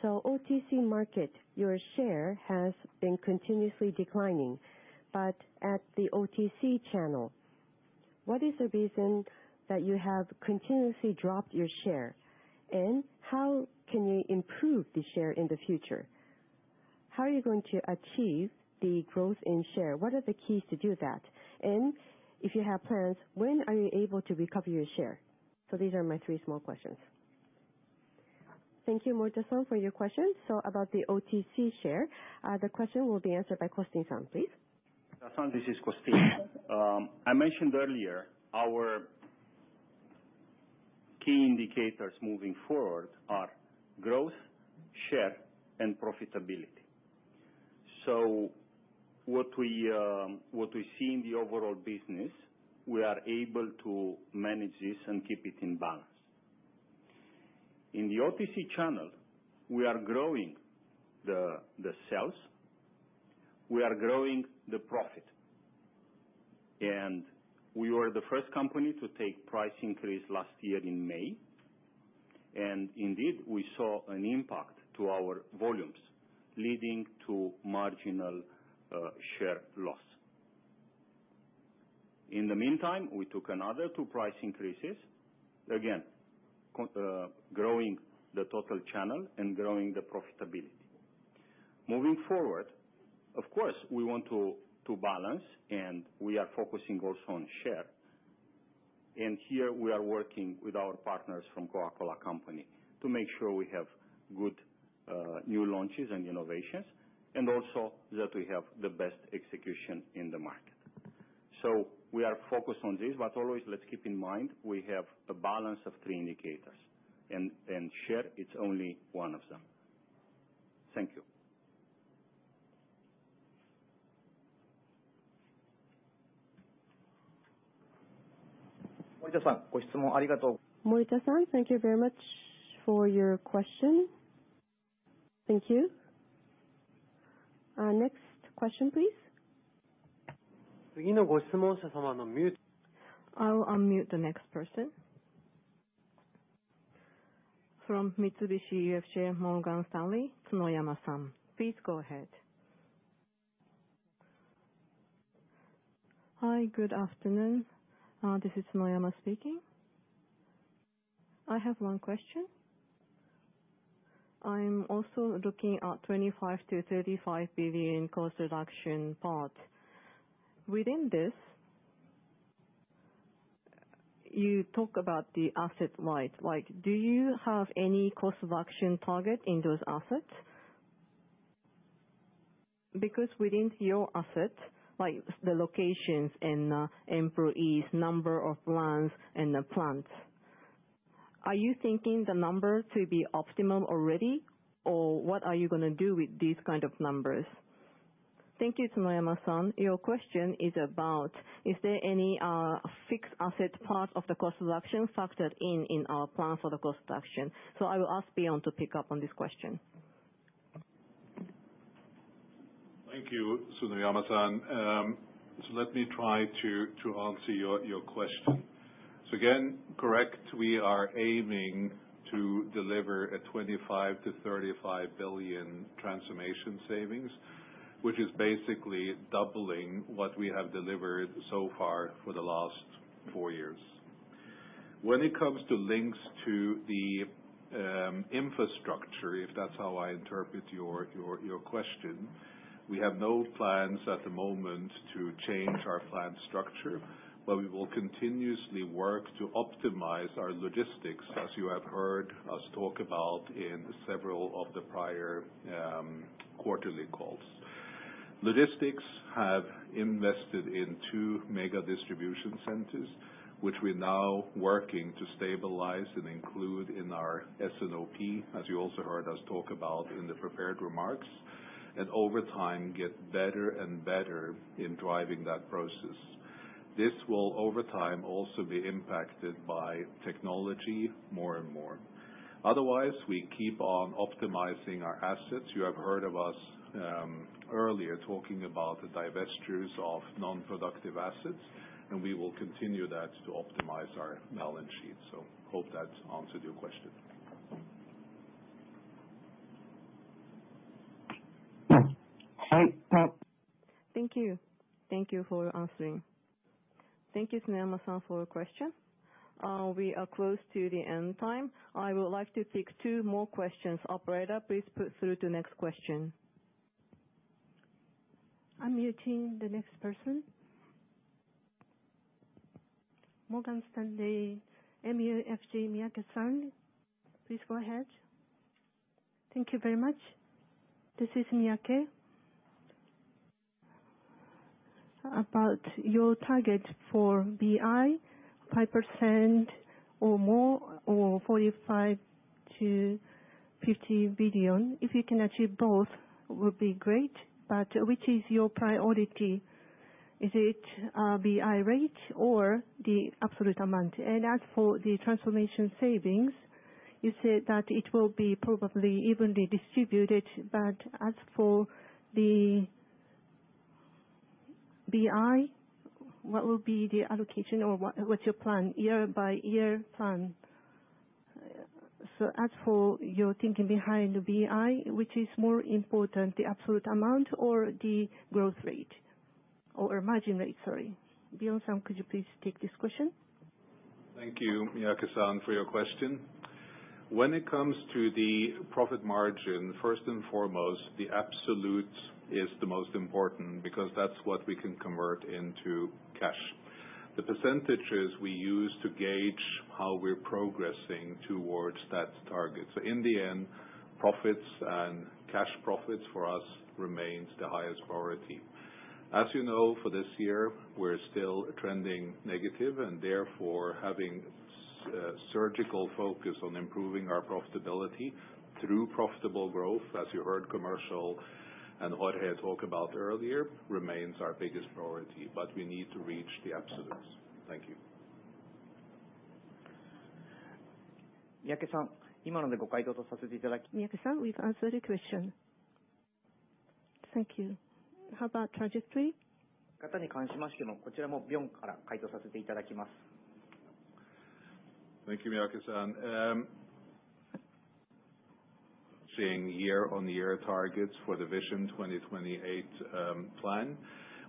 OTC market, your share has been continuously declining, but at the OTC channel, what is the reason that you have continuously dropped your share? How can you improve the share in the future? How are you going to achieve the growth in share? What are the keys to do that? If you have plans, when are you able to recover your share? These are my three small questions. Thank you, Morita-san, for your questions. About the OTC share, the question will be answered by Costin-san, please. Morita-san, this is Costin. I mentioned earlier, our key indicators moving forward are growth, share, and profitability. What we see in the overall business, we are able to manage this and keep it in balance. In the OTC channel, we are growing the sales, we are growing the profit, and we were the first company to take price increase last year in May. Indeed, we saw an impact to our volumes, leading to marginal share loss. In the meantime, we took another two price increases, again, growing the total channel and growing the profitability. Moving forward, of course, we want to balance, and we are focusing also on share. Here, we are working with our partners from The Coca-Cola Company, to make sure we have good, new launches and innovations, and also that we have the best execution in the market. We are focused on this, always let's keep in mind, we have a balance of three indicators, and, and share, it's only one of them. Thank you. Morita-san, thank you very much for your question. Thank you. Next question, please. I will unmute the next person from Mitsubishi UFJ Morgan Stanley, Tsunoyama-san. Please go ahead. Hi, good afternoon. This is Tsunoyama speaking. I have one question. I'm also looking at 25 billion-35 billion cost reduction part. Within this, you talk about the asset light, like, do you have any cost reduction target in those assets? Because within your assets, like the locations and employees, number of brands and the plants, are you thinking the numbers to be optimum already? Or what are you gonna do with these kind of numbers? Thank you, Tsunoyama-san. Your question is about, is there any fixed asset part of the cost reduction factored in, in our plan for the cost reduction? I will ask Bjorn to pick up on this question. Thank you, Tsunoyama-san. Let me try to answer your question. Again, correct, we are aiming to deliver a 25 billion-35 billion transformation savings, which is basically doubling what we have delivered so far for the last four years. When it comes to links to the infrastructure, if that's how I interpret your question, we have no plans at the moment to change our plan structure. We will continuously work to optimize our logistics, as you have heard us talk about in several of the prior quarterly calls. Logistics have invested in two Mega Distribution Centers, which we're now working to stabilize and include in our S&OP, as you also heard us talk about in the prepared remarks. Over time, get better and better in driving that process. This will, over time, also be impacted by technology more and more. Otherwise, we keep on optimizing our assets. You have heard of us, earlier, talking about the divestitures of non-productive assets, and we will continue that to optimize our balance sheet. Hope that answered your question. Hi, thank you. Thank you for answering. Thank you, Tsunoyama-san, for your question. We are close to the end time. I would like to take 2 more questions. Operator, please put through the next question. Unmuting the next person. Morgan Stanley MUFG Securities, Miyake-san, please go ahead. Thank you very much. This is Miyake. About your target for BI, 5% or more, or 45 billion-50 billion. If you can achieve both, would be great, but which is your priority? Is it BI rate or the absolute amount? As for the transformation savings, you said that it will be probably evenly distributed, but as for the BI, what will be the allocation or what's your plan, year-by-year plan? As for your thinking behind the BI, which is more important, the absolute amount or the growth rate or margin rate? Sorry. Björn-san, could you please take this question? Thank you, Miyake-san, for your question. When it comes to the profit margin, first and foremost, the absolute is the most important, because that's what we can convert into cash. The percentages we use to gauge how we're progressing towards that target. In the end, profits and cash profits for us remains the highest priority. As you know, for this year, we're still trending negative, and therefore, having surgical focus on improving our profitability through profitable growth, as you heard commercial and Jorge talk about earlier, remains our biggest priority, but we need to reach the absolutes. Thank you. Miyake-san, Miyake-san, we've answered your question. Thank you. How about trajectory? Thank you, Miyake-san. Seeing year-on-year targets for the Vision 2028 plan,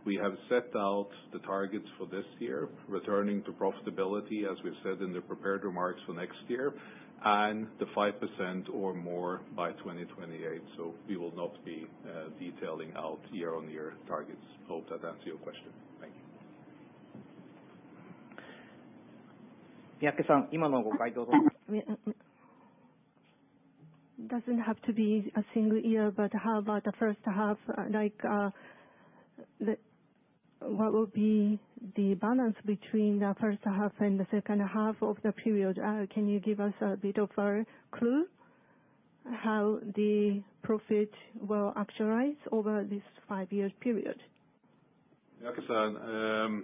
we have set out the targets for this year, returning to profitability, as we've said in the prepared remarks for next year, and the 5% or more by 2028. We will not be detailing out year-on-year targets. Hope that answers your question. Thank you. Miyake-san, Doesn't have to be a single year, but how about the first half? Like, what will be the balance between the first half and the second half of the period? Can you give us a bit of a clue how the profit will actualize over this 5-year period? Miyake-san,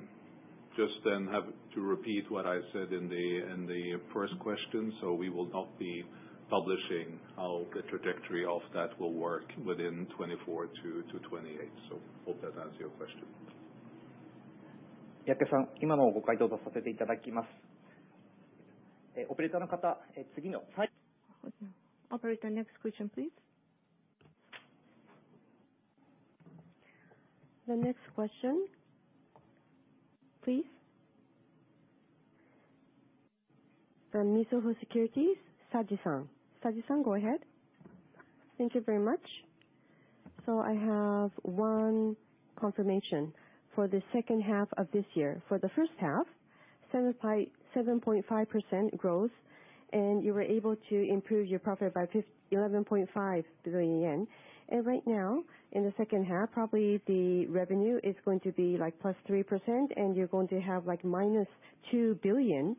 just have to repeat what I said in the, in the first question. We will not be publishing how the trajectory of that will work within 2024 to 2028. Hope that answers your question. Operator, next question, please. The next question, please. From Mizuho Securities, Saji-san. Saji-san, go ahead. Thank you very much. I have one confirmation for the second half of this year. For the first half, 7.5% growth, and you were able to improve your profit by 11.5 billion yen. Right now, in the second half, probably the revenue is going to be, like, +3%, and you're going to have, like, -2 billion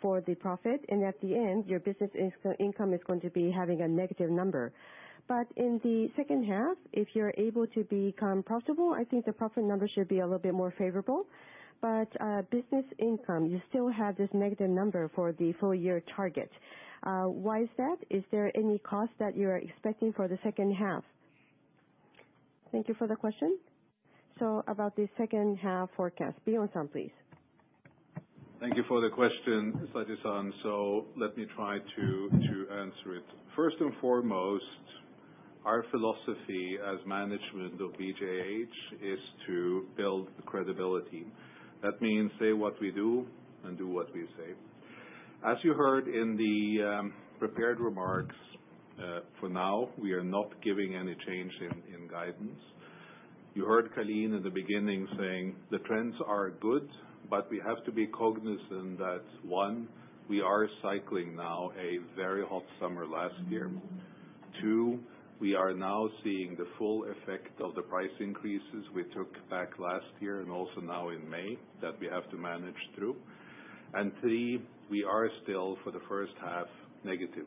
for the profit. At the end, your business income is going to be having a negative number. In the second half, if you're able to become profitable, I think the profit number should be a little bit more favorable. Business income, you still have this negative number for the full year target. Why is that? Is there any cost that you're expecting for the second half? Thank you for the question. About the second half forecast, Björn-san, please. Thank you for the question, Saji-san. Let me try to answer it. First and foremost, our philosophy as management of CCBJH is to build credibility. That means say what we do and do what we say. As you heard in the prepared remarks, for now, we are not giving any change in guidance. You heard Calin in the beginning saying the trends are good, but we have to be cognizant that, one, we are cycling now a very hot summer last year. Two, we are now seeing the full effect of the price increases we took back last year and also now in May, that we have to manage through. Three, we are still, for the first half, negative.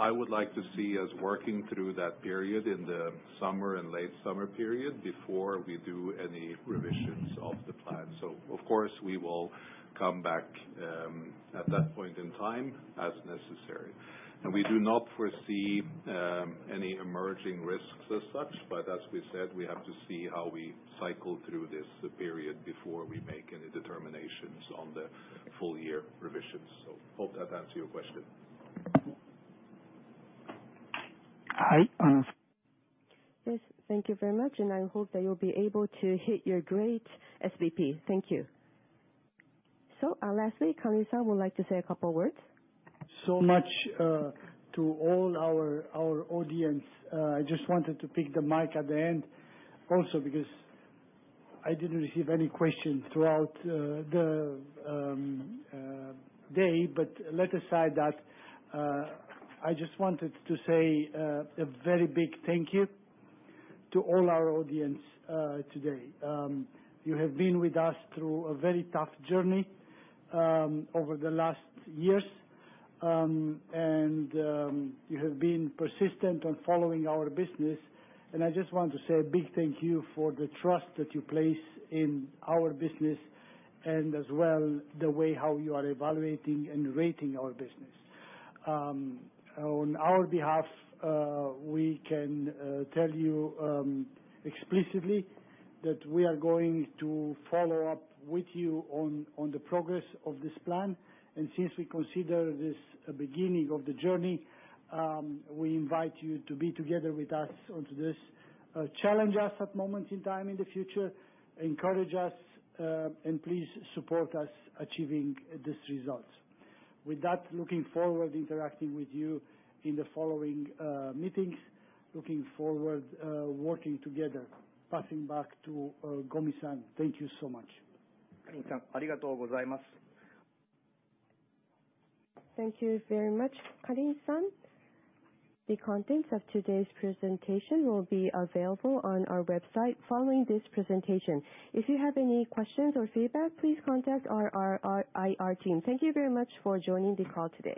I would like to see us working through that period in the summer and late summer period before we do any revisions of the plan. Of course, we will come back, at that point in time as necessary. We do not foresee, any emerging risks as such, but as we said, we have to see how we cycle through this period before we make any determinations on the full year revisions. Hope that answers your question. Hi. Yes, thank you very much. I hope that you'll be able to hit your great SBP. Thank you. Lastly, Calin-san would like to say a couple words. Much to all our, our audience. I just wanted to pick the mic at the end also because I didn't receive any questions throughout the day. Let aside that, I just wanted to say a very big thank you to all our audience today. You have been with us through a very tough journey over the last years. You have been persistent on following our business, and I just want to say a big thank you for the trust that you place in our business and as well, the way how you are evaluating and rating our business. On our behalf, we can tell you explicitly that we are going to follow up with you on, on the progress of this plan. Since we consider this a beginning of the journey, we invite you to be together with us on to this. Challenge us at moments in time in the future, encourage us, and please support us achieving this result. With that, looking forward to interacting with you in the following meetings. Looking forward working together. Passing back to Gomi-san. Thank you so much. Thank you very much, Calin-san. The contents of today's presentation will be available on our website following this presentation. If you have any questions or feedback, please contact our IR team. Thank you very much for joining the call today.